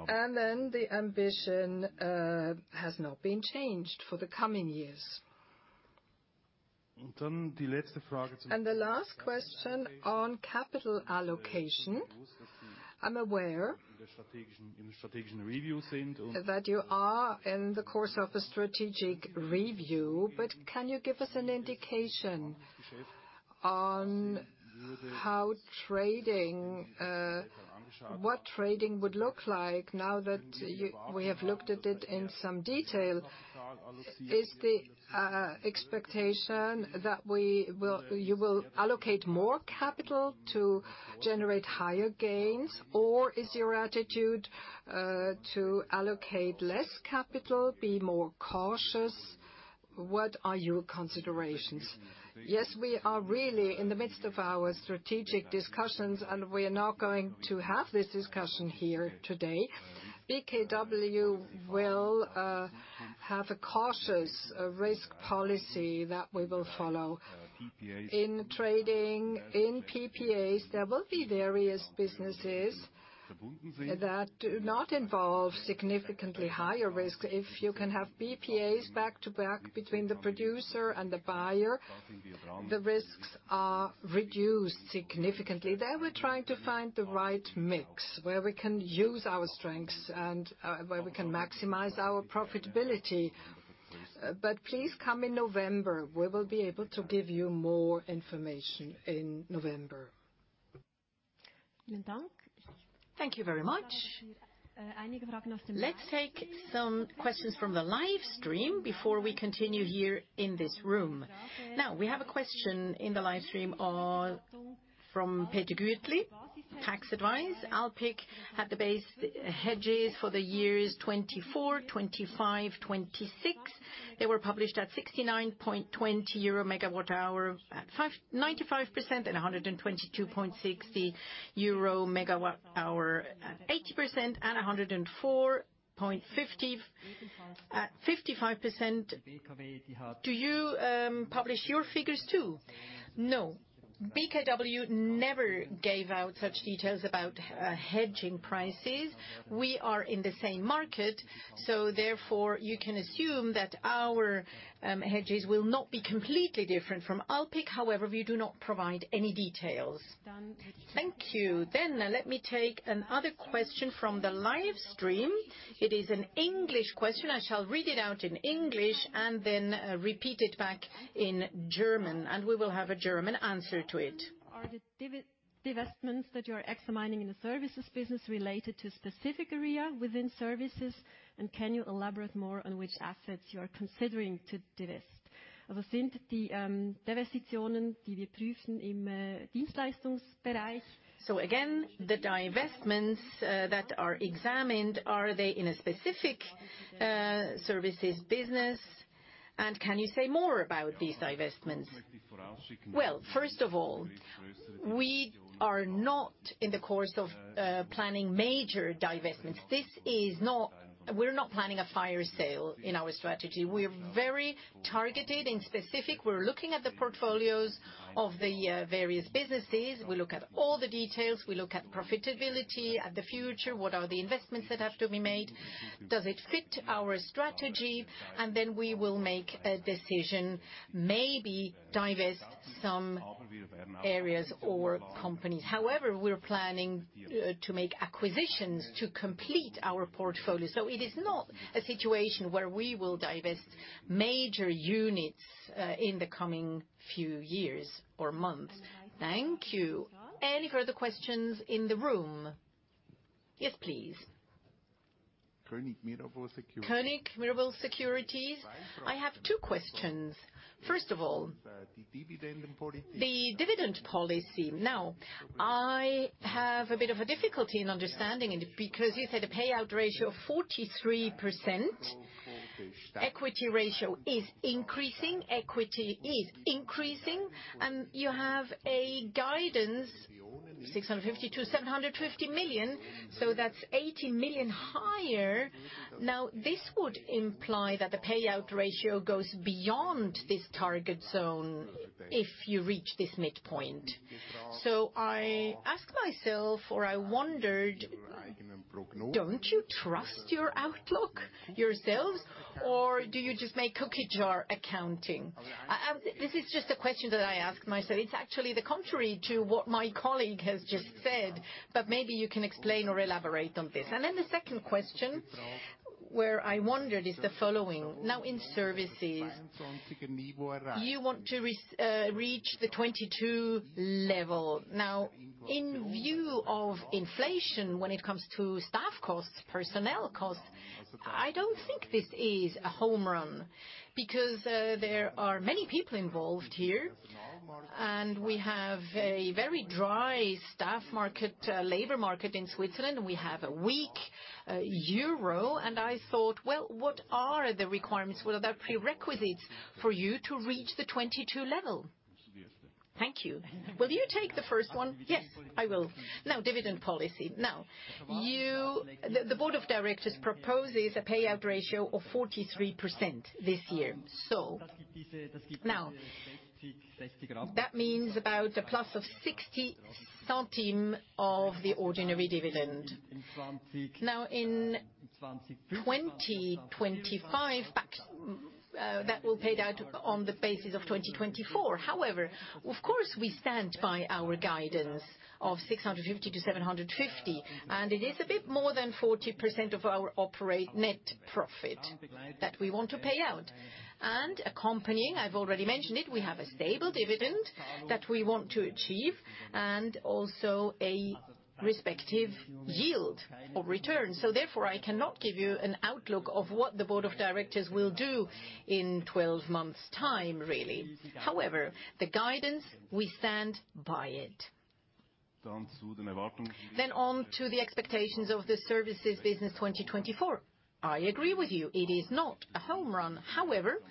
Then the ambition has not been changed for the coming years. The last question on capital allocation. I'm aware that you are in the course of a strategic review, but can you give us an indication on what trading would look like now that we have looked at it in some detail? Is the expectation that you will allocate more capital to generate higher gains, or is your attitude to allocate less capital, be more cautious? What are your considerations? Yes, we are really in the midst of our strategic discussions, and we are not going to have this discussion here today. BKW will have a cautious risk policy that we will follow. In trading, in PPAs, there will be various businesses that do not involve significantly higher risks. If you can have PPAs back to back between the producer and the buyer, the risks are reduced significantly. There, we're trying to find the right mix where we can use our strengths and where we can maximize our profitability. But please come in November. We will be able to give you more information in November. Thank you very much. Let's take some questions from the live stream before we continue here in this room. Now, we have a question in the live stream from Peter Gürtli, tax advisor. Alpiq's base hedges for the years 2024, 2025, 2026. They were published at 69.20 euro/MWh at 95% and 122.60 euro/MWh at 80% and 104.50 at 55%. Do you publish your figures too? No. BKW never gave out such details about hedging prices. We are in the same market, so therefore, you can assume that our hedges will not be completely different from Alpiq. However, we do not provide any details. Thank you. Then let me take another question from the live stream. It is an English question. I shall read it out in English and then repeat it back in German, and we will have a German answer to it. Are the divestments that you are examining in the services business related to a specific area within services, and can you elaborate more on which assets you are considering to divest? So again, the divestments that are examined, are they in a specific services business? And can you say more about these divestments? Well, first of all, we are not in the course of planning major divestments. We're not planning a fire sale in our strategy. We are very targeted and specific. We're looking at the portfolios of the various businesses. We look at all the details. We look at profitability at the future. What are the investments that have to be made? Does it fit our strategy? And then we will make a decision, maybe divest some areas or companies. However, we're planning to make acquisitions to complete our portfolio. So it is not a situation where we will divest major units in the coming few years or months. Thank you. Any further questions in the room? Yes, please. Konig Mirabaud Securities. I have two questions. First of all, the dividend policy. Now, I have a bit of a difficulty in understanding it because you said a payout ratio of 43%. Equity ratio is increasing. Equity is increasing, and you have a guidance, 650-750 million. So that's 80 million higher. Now, this would imply that the payout ratio goes beyond this target zone if you reach this midpoint. So I ask myself, or I wondered, don't you trust your outlook yourselves, or do you just make cookie jar accounting? This is just a question that I ask myself. It's actually the contrary to what my colleague has just said, but maybe you can explain or elaborate on this. And then the second question where I wondered is the following. Now, in services, you want to reach the 22 level. Now, in view of inflation when it comes to staff costs, personnel costs, I don't think this is a home run because there are many people involved here, and we have a very dry staff market, labor market in Switzerland. We have a weak euro, and I thought, well, what are the requirements? What are the prerequisites for you to reach the 22 level? Thank you. Will you take the first one? Yes, I will. Now, dividend policy. Now, the board of directors proposes a payout ratio of 43% this year. So now, that means about a plus of 0.60 to the ordinary dividend. Now, in 2025, that will pay out on the basis of 2024. However, of course, we stand by our guidance of 650-750, and it is a bit more than 40% of our net profit that we want to pay out. And accompanying, I've already mentioned it, we have a stable dividend that we want to achieve and also a respective yield or return. So therefore, I cannot give you an outlook of what the board of directors will do in 12 months' time, really. However, the guidance, we stand by it. Then on to the expectations of the services business 2024. I agree with you. It is not a home run. However,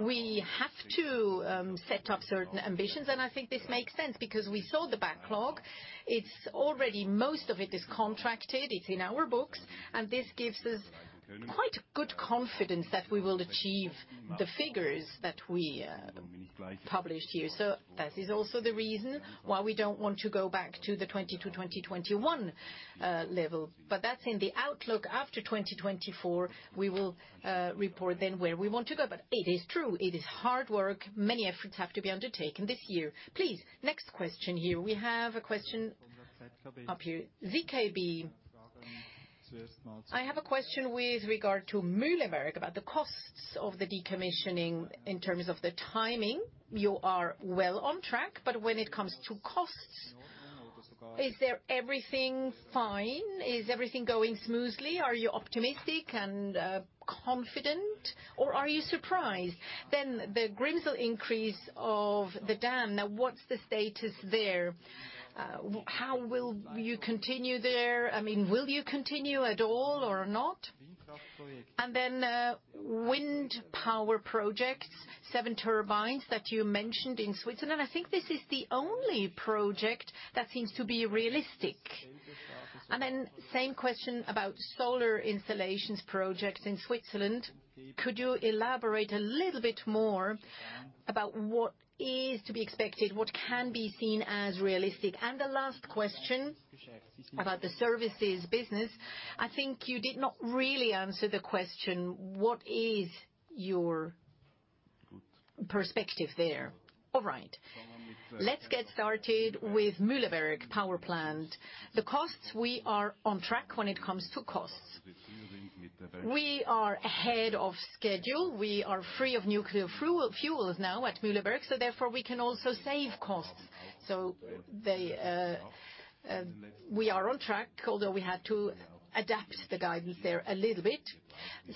we have to set up certain ambitions, and I think this makes sense because we saw the backlog. Most of it is contracted. It's in our books, and this gives us quite good confidence that we will achieve the figures that we published here. So that is also the reason why we don't want to go back to the 2022, 2021 level. But that's in the outlook. After 2024, we will report then where we want to go. But it is true. It is hard work. Many efforts have to be undertaken this year. Please, next question here. We have a question up here. ZKB, I have a question with regard to Mühleberg about the costs of the decommissioning in terms of the timing. You are well on track, but when it comes to costs, is everything fine? Is everything going smoothly? Are you optimistic and confident, or are you surprised? Then the Grimsel increase of the dam. Now, what's the status there? How will you continue there? I mean, will you continue at all or not? And then wind power projects, 7 turbines that you mentioned in Switzerland. I think this is the only project that seems to be realistic. And then same question about solar installations projects in Switzerland. Could you elaborate a little bit more about what is to be expected? What can be seen as realistic? And the last question about the services business. I think you did not really answer the question, what is your perspective there? All right. Let's get started with Mühleberg Power Plant. The costs, we are on track when it comes to costs. We are ahead of schedule. We are free of nuclear fuels now at Mühleberg, so therefore, we can also save costs. So we are on track, although we had to adapt the guidance there a little bit.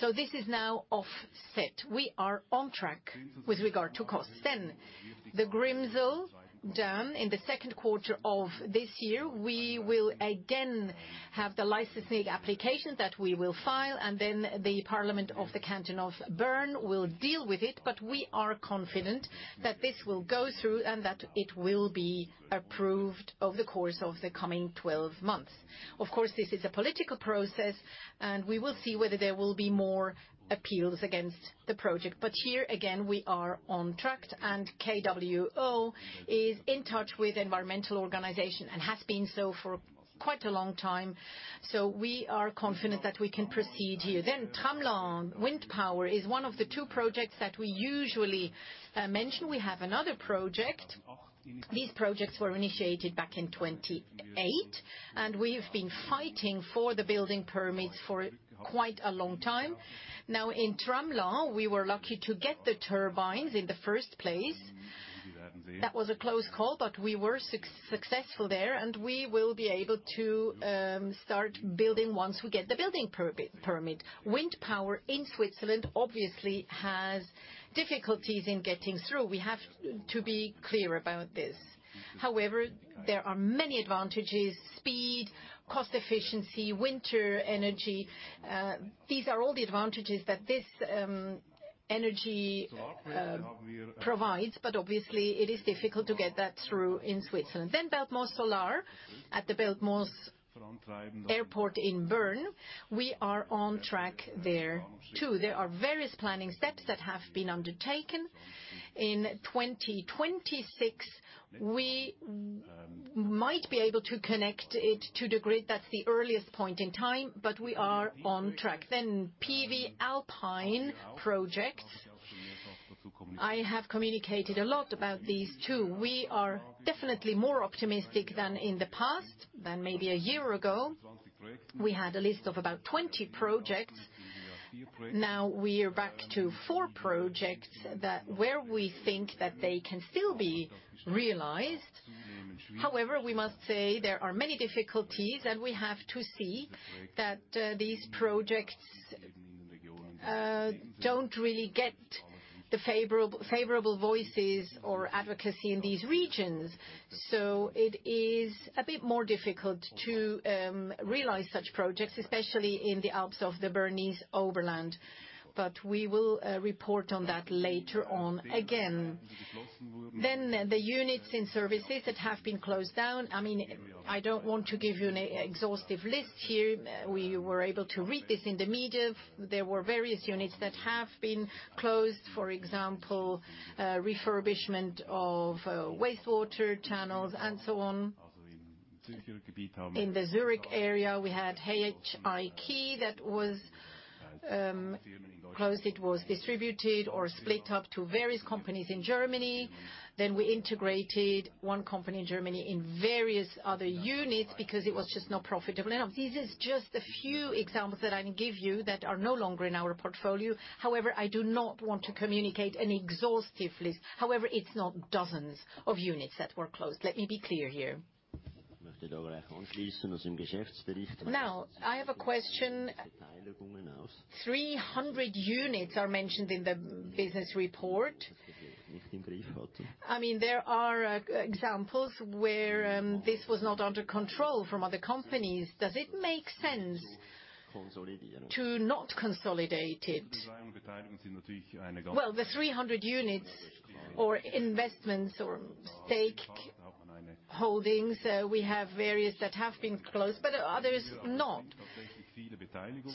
So this is now offset. We are on track with regard to costs. Then the Grimsel dam. In the second quarter of this year, we will again have the licensing application that we will file, and then the Parliament of the Canton of Bern will deal with it. But we are confident that this will go through and that it will be approved over the course of the coming 12 months. Of course, this is a political process, and we will see whether there will be more appeals against the project. But here again, we are on track, and KWO is in touch with environmental organizations and has been so for quite a long time. So we are confident that we can proceed here. Then Tramelan, wind power, is one of the 2 projects that we usually mention. We have another project. These projects were initiated back in 1928, and we have been fighting for the building permits for quite a long time. Now, in Tramelan, we were lucky to get the turbines in the first place. That was a close call, but we were successful there, and we will be able to start building once we get the building permit. Wind power in Switzerland obviously has difficulties in getting through. We have to be clear about this. However, there are many advantages: speed, cost efficiency, winter energy. These are all the advantages that this energy provides, but obviously, it is difficult to get that through in Switzerland. Then Belpmoos Solar at the Bern-Belp Airport in Bern. We are on track there too. There are various planning steps that have been undertaken. In 2026, we might be able to connect it to the grid. That's the earliest point in time, but we are on track. Then PV alpine projects. I have communicated a lot about these too. We are definitely more optimistic than in the past, than maybe a year ago. We had a list of about 20 projects. Now, we are back to four projects where we think that they can still be realized. However, we must say there are many difficulties, and we have to see that these projects don't really get the favorable voices or advocacy in these regions. So it is a bit more difficult to realize such projects, especially in the Alps of the Bernese Oberland. But we will report on that later on again. Then the units in services that have been closed down. I mean, I don't want to give you an exhaustive list here. We were able to read this in the media. There were various units that have been closed. For example, refurbishment of wastewater channels and so on. In the Zürich area, we had HIK that was closed. It was distributed or split up to various companies in Germany. Then we integrated one company in Germany in various other units because it was just not profitable enough. These are just a few examples that I can give you that are no longer in our portfolio. However, I do not want to communicate an exhaustive list. However, it's not dozens of units that were closed. Let me be clear here. Now, I have a question. 300 units are mentioned in the business report. I mean, there are examples where this was not under control from other companies. Does it make sense to not consolidate it? Well, the 300 units or investments or stake holdings, we have various that have been closed, but others not.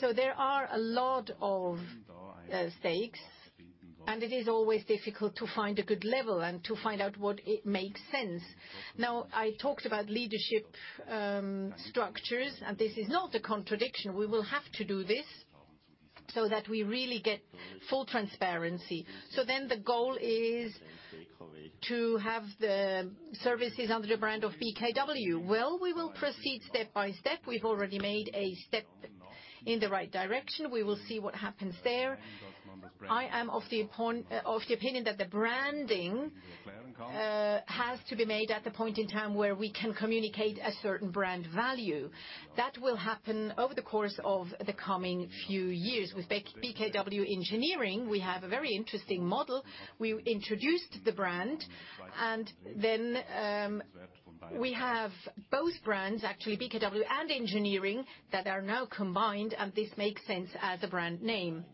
So there are a lot of stakes, and it is always difficult to find a good level and to find out what makes sense. Now, I talked about leadership structures, and this is not a contradiction. We will have to do this so that we really get full transparency. So then the goal is to have the services under the brand of BKW. Well, we will proceed step by step. We've already made a step in the right direction. We will see what happens there. I am of the opinion that the branding has to be made at the point in time where we can communicate a certain brand value. That will happen over the course of the coming few years. With BKW Engineering, we have a very interesting model. We introduced the brand, and then we have both brands, actually BKW and Engineering, that are now combined, and this makes sense as a brand name.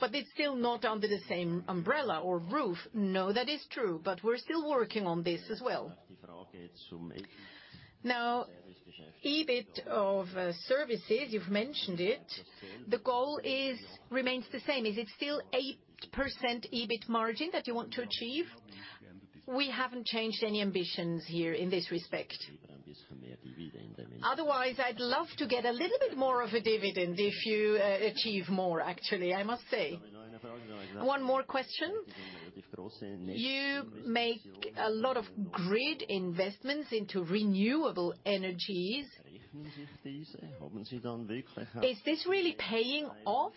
But it's still not under the same umbrella or roof. No, that is true, but we're still working on this as well. Now, EBIT of services, you've mentioned it. The goal remains the same. Is it still 8% EBIT margin that you want to achieve? We haven't changed any ambitions here in this respect. Otherwise, I'd love to get a little bit more of a dividend if you achieve more, actually, I must say. One more question. You make a lot of grid investments into renewable energies. Is this really paying off?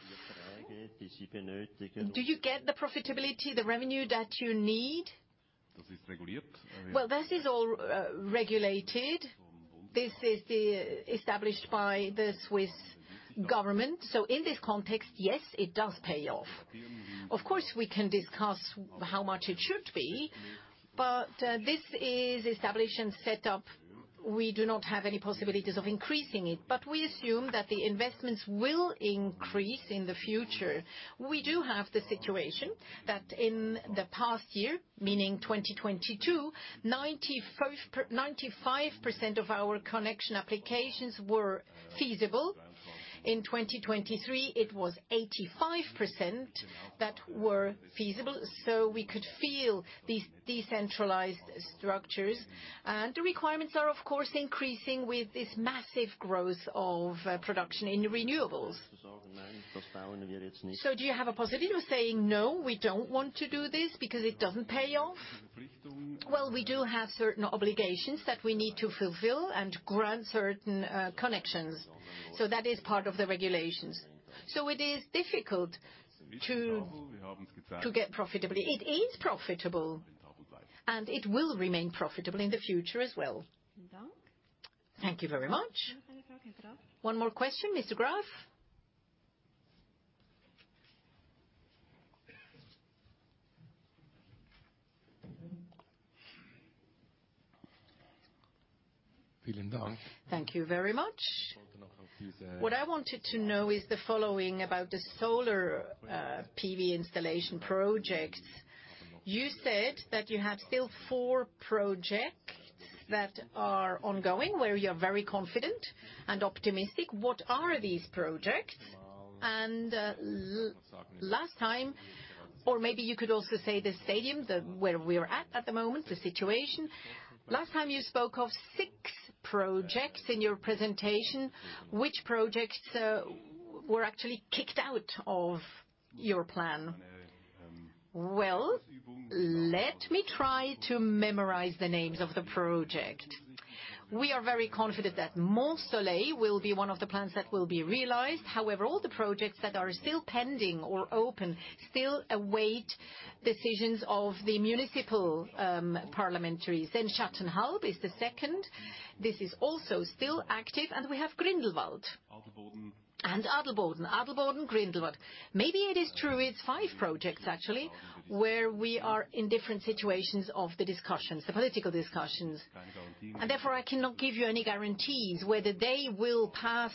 Do you get the profitability, the revenue that you need? Well, this is all regulated. This is established by the Swiss government. So in this context, yes, it does pay off. Of course, we can discuss how much it should be, but this is established and set up. We do not have any possibilities of increasing it, but we assume that the investments will increase in the future. We do have the situation that in the past year, meaning 2022, 95% of our connection applications were feasible. In 2023, it was 85% that were feasible, so we could feel these decentralized structures. The requirements are, of course, increasing with this massive growth of production in renewables. So do you have a positive saying, "No, we don't want to do this because it doesn't pay off"? Well, we do have certain obligations that we need to fulfill and grant certain connections. So that is part of the regulations. So it is difficult to get profitable. It is profitable, and it will remain profitable in the future as well. Thank you very much. One more question, Mr. Graf. What I wanted to know is the following about the solar PV installation projects. You said that you have still four projects that are ongoing where you're very confident and optimistic. What are these projects? And last time, or maybe you could also say the status where we are at at the moment, the situation. Last time you spoke of six projects in your presentation. Which projects were actually kicked out of your plan? Well, let me try to memorize the names of the projects. We are very confident that Mont-Soleil will be one of the plans that will be realized. However, all the projects that are still pending or open still await decisions of the municipal parliaments. Then Schattenhalb is the second. This is also still active, and we have Grindelwald. And Adelboden. Adelboden, Grindelwald. Maybe it is true. It's five projects, actually, where we are in different situations of the discussions, the political discussions. And therefore, I cannot give you any guarantees whether they will pass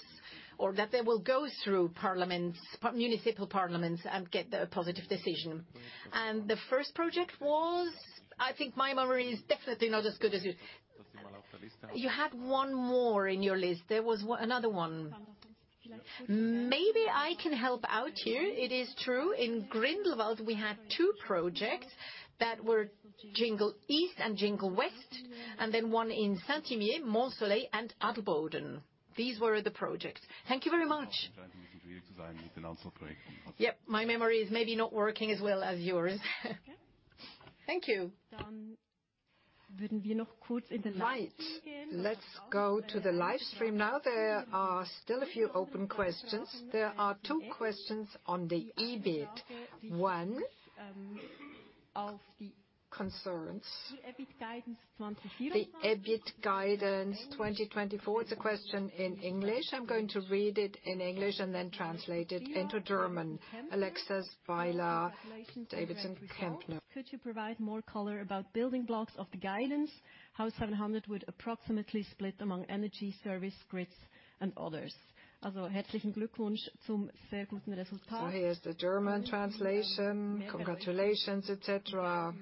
or that they will go through municipal parliaments and get a positive decision. And the first project was, I think my memory is definitely not as good as you. You had one more in your list. There was another one. Maybe I can help out here. It is true. In Grindelwald, we had two projects that were Tschingel East and Tschingel West, and then one in Saint-Imier, Mont-Soleil, and Adelboden. These were the projects. Thank you very much. Yep. My memory is maybe not working as well as yours. Thank you. Right. Let's go to the live stream now. There are still a few open questions. There are two questions on the EBIT. One of the concerns. The EBIT guidance 2024. It's a question in English. I'm going to read it in English and then translate it into German. Alexis Weiller, Davidson Kempner. Could you provide more color about building blocks of the guidance? How 700 would approximately split among energy, service, grids, and others. Also, herzlichen Glückwunsch zum sehr guten Resultat. So here's the German translation. Congratulations, etc.,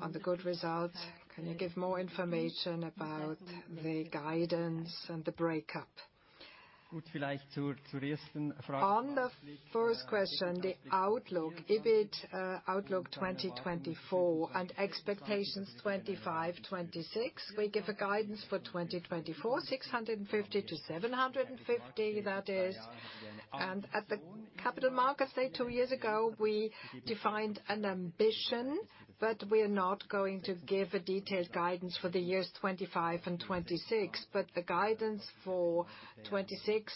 on the good results. Can you give more information about the guidance and the breakup? On the first question, the outlook, EBIT outlook 2024 and expectations 2025, 2026. We give a guidance for 2024, 650-750, that is. And at the capital markets date two years ago, we defined an ambition, but we are not going to give a detailed guidance for the years 2025 and 2026. But the guidance for 2026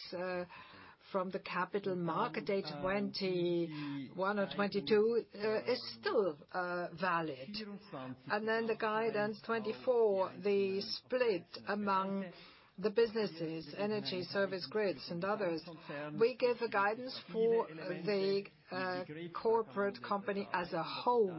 from the capital market date 2021 or 2022 is still valid. And then the guidance 2024, the split among the businesses, energy, services, grids, and others. We give a guidance for the corporate company as a whole.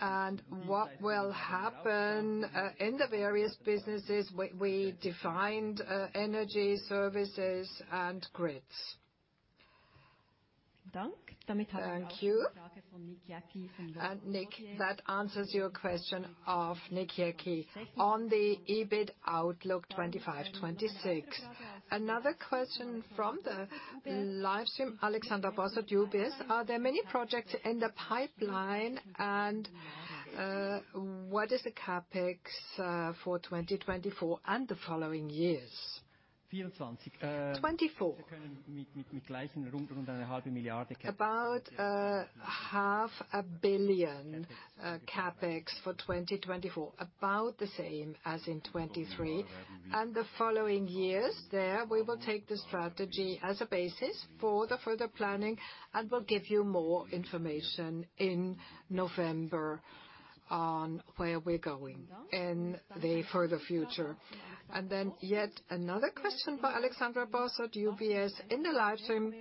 And what will happen in the various businesses, we defined energy, services, and grids. Thank you. And Janik, that answers your question of Janik Kies. On the EBIT outlook 2025, 2026. Another question from the live stream, Alexander Bossert, UBS. Are there many projects in the pipeline, and what is the CapEx for 2024 and the following years? About 500 million CapEx for 2024, about the same as in 2023. And the following years there, we will take the strategy as a basis for the further planning and will give you more information in November on where we're going in the further future. And then yet another question for Alexander Bossert, UBS. In the live stream.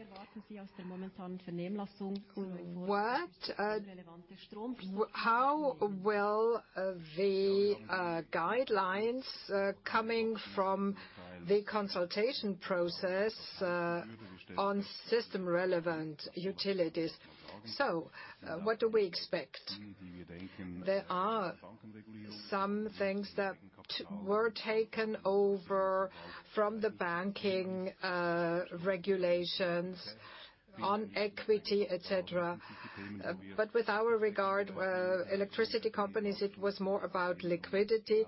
How will the guidelines coming from the consultation process on system-relevant utilities? So what do we expect? There are some things that were taken over from the banking regulations on equity, etc. But with our regard, electricity companies, it was more about liquidity.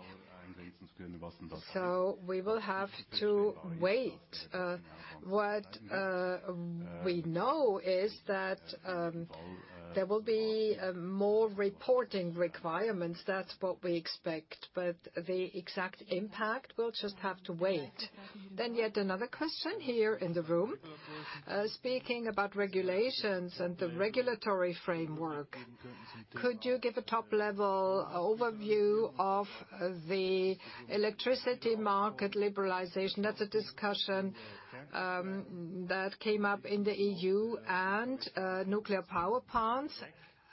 So we will have to wait. What we know is that there will be more reporting requirements. That's what we expect, but the exact impact we'll just have to wait. Then yet another question here in the room, speaking about regulations and the regulatory framework. Could you give a top-level overview of the electricity market liberalization? That's a discussion that came up in the EU and nuclear power plants.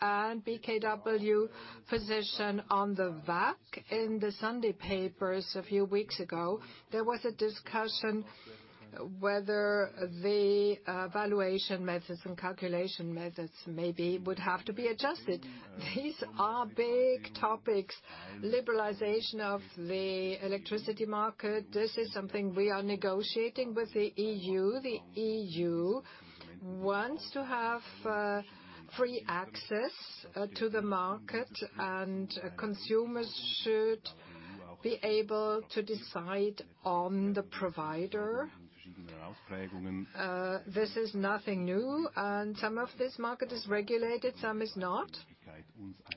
And BKW position on the VAC in the Sunday papers a few weeks ago. There was a discussion whether the valuation methods and calculation methods maybe would have to be adjusted. These are big topics, liberalization of the electricity market. This is something we are negotiating with the EU. The EU wants to have free access to the market, and consumers should be able to decide on the provider. This is nothing new, and some of this market is regulated, some is not.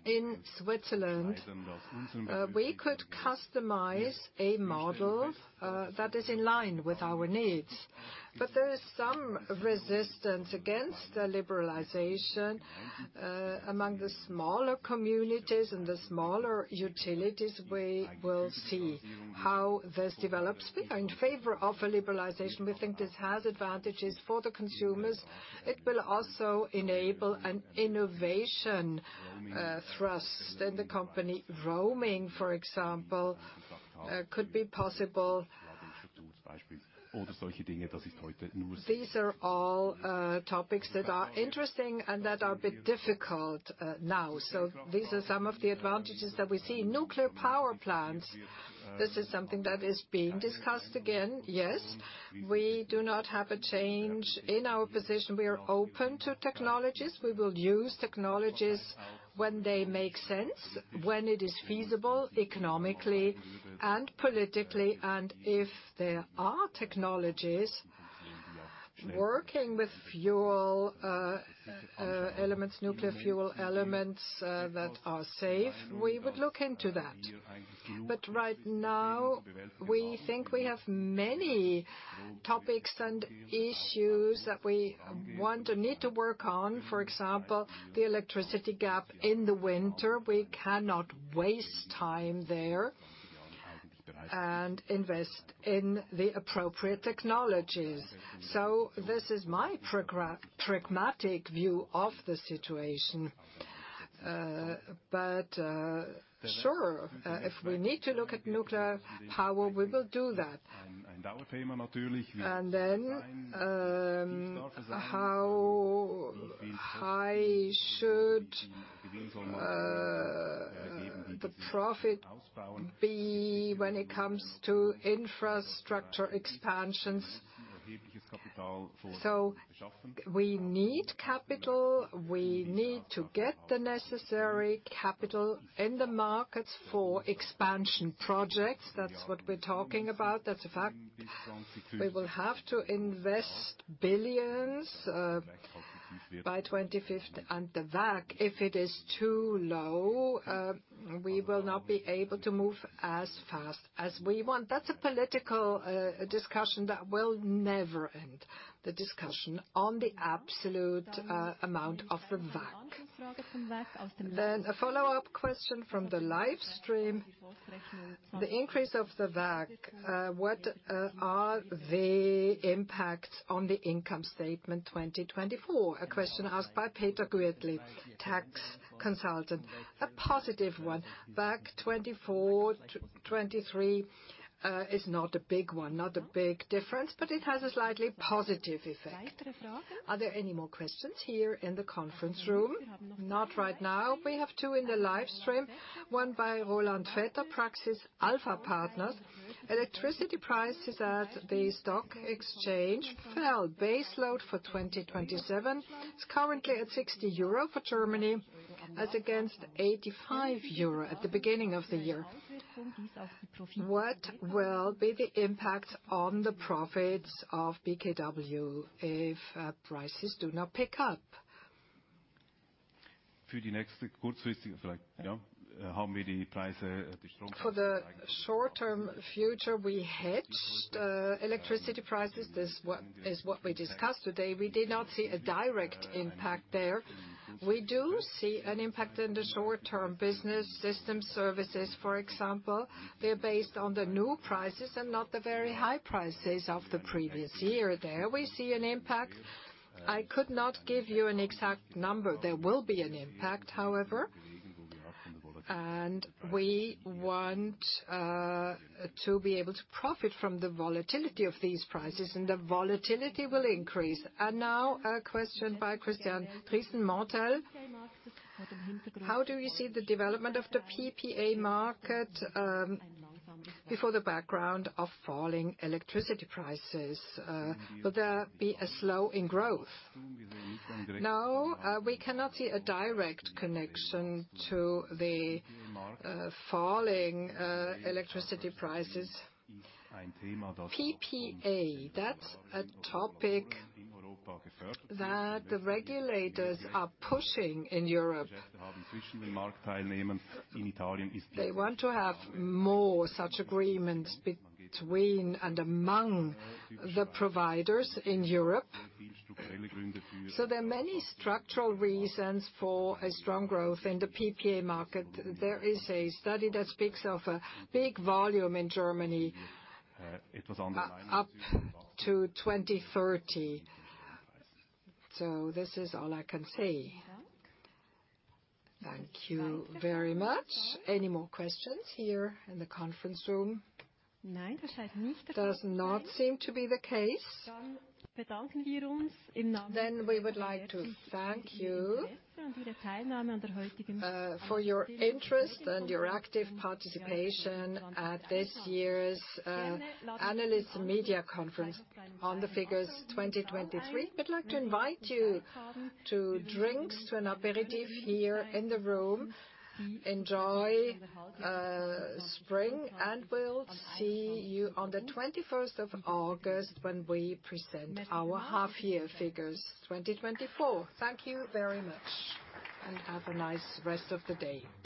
In Switzerland, we could customize a model that is in line with our needs. But there is some resistance against the liberalization among the smaller communities and the smaller utilities. We will see how this develops in favor of a liberalization. We think this has advantages for the consumers. It will also enable an innovation thrust in the company. Roaming, for example, could be possible. These are all topics that are interesting and that are a bit difficult now. So these are some of the advantages that we see. Nuclear power plants, this is something that is being discussed again, yes. We do not have a change in our position. We are open to technologies. We will use technologies when they make sense, when it is feasible economically and politically. And if there are technologies working with fuel elements, nuclear fuel elements that are safe, we would look into that. But right now, we think we have many topics and issues that we want and need to work on. For example, the electricity gap in the winter. We cannot waste time there and invest in the appropriate technologies. So this is my pragmatic view of the situation. But sure, if we need to look at nuclear power, we will do that. And then how high should the profit be when it comes to infrastructure expansions? So we need capital. We need to get the necessary capital in the markets for expansion projects. That's what we're talking about. That's a fact. We will have to invest billions by 2050. The VAC, if it is too low, we will not be able to move as fast as we want. That's a political discussion that will never end, the discussion on the absolute amount of the VAC. Then a follow-up question from the live stream. The increase of the VAC, what are the impacts on the income statement 2024? A question asked by Peter Gürtli, tax consultant. A positive one. VAC 2024, 2023 is not a big one, not a big difference, but it has a slightly positive effect. Are there any more questions here in the conference room? Not right now. We have two in the live stream. One by Roland Vetter, Praxis Alpha Partners. Electricity prices at the stock exchange fell. Baseload for 2027 is currently at 60 euro for Germany as against 85 euro at the beginning of the year. What will be the impact on the profits of BKW if prices do not pick up? For the short-term future, we hedged electricity prices. This is what we discussed today. We did not see a direct impact there. We do see an impact in the short-term business, system services, for example. They're based on the new prices and not the very high prices of the previous year. There we see an impact. I could not give you an exact number. There will be an impact, however. And we want to be able to profit from the volatility of these prices, and the volatility will increase. And now a question by Christian Thriesen-Mortell. How do you see the development of the PPA market before the background of falling electricity prices? Will there be a slow in growth? No, we cannot see a direct connection to the falling electricity prices. PPA, that's a topic that the regulators are pushing in Europe. They want to have more such agreements between and among the providers in Europe. So there are many structural reasons for a strong growth in the PPA market. There is a study that speaks of a big volume in Germany up to 2030. So this is all I can say. Thank you very much. Any more questions here in the conference room? Does not seem to be the case. Then we would like to thank you for your interest and your active participation at this year's Analyst Media Conference on the figures 2023. We'd like to invite you to drinks, to an aperitif here in the room. Enjoy spring, and we'll see you on the 21st of August when we present our half-year figures 2024. Thank you very much, and have a nice rest of the day.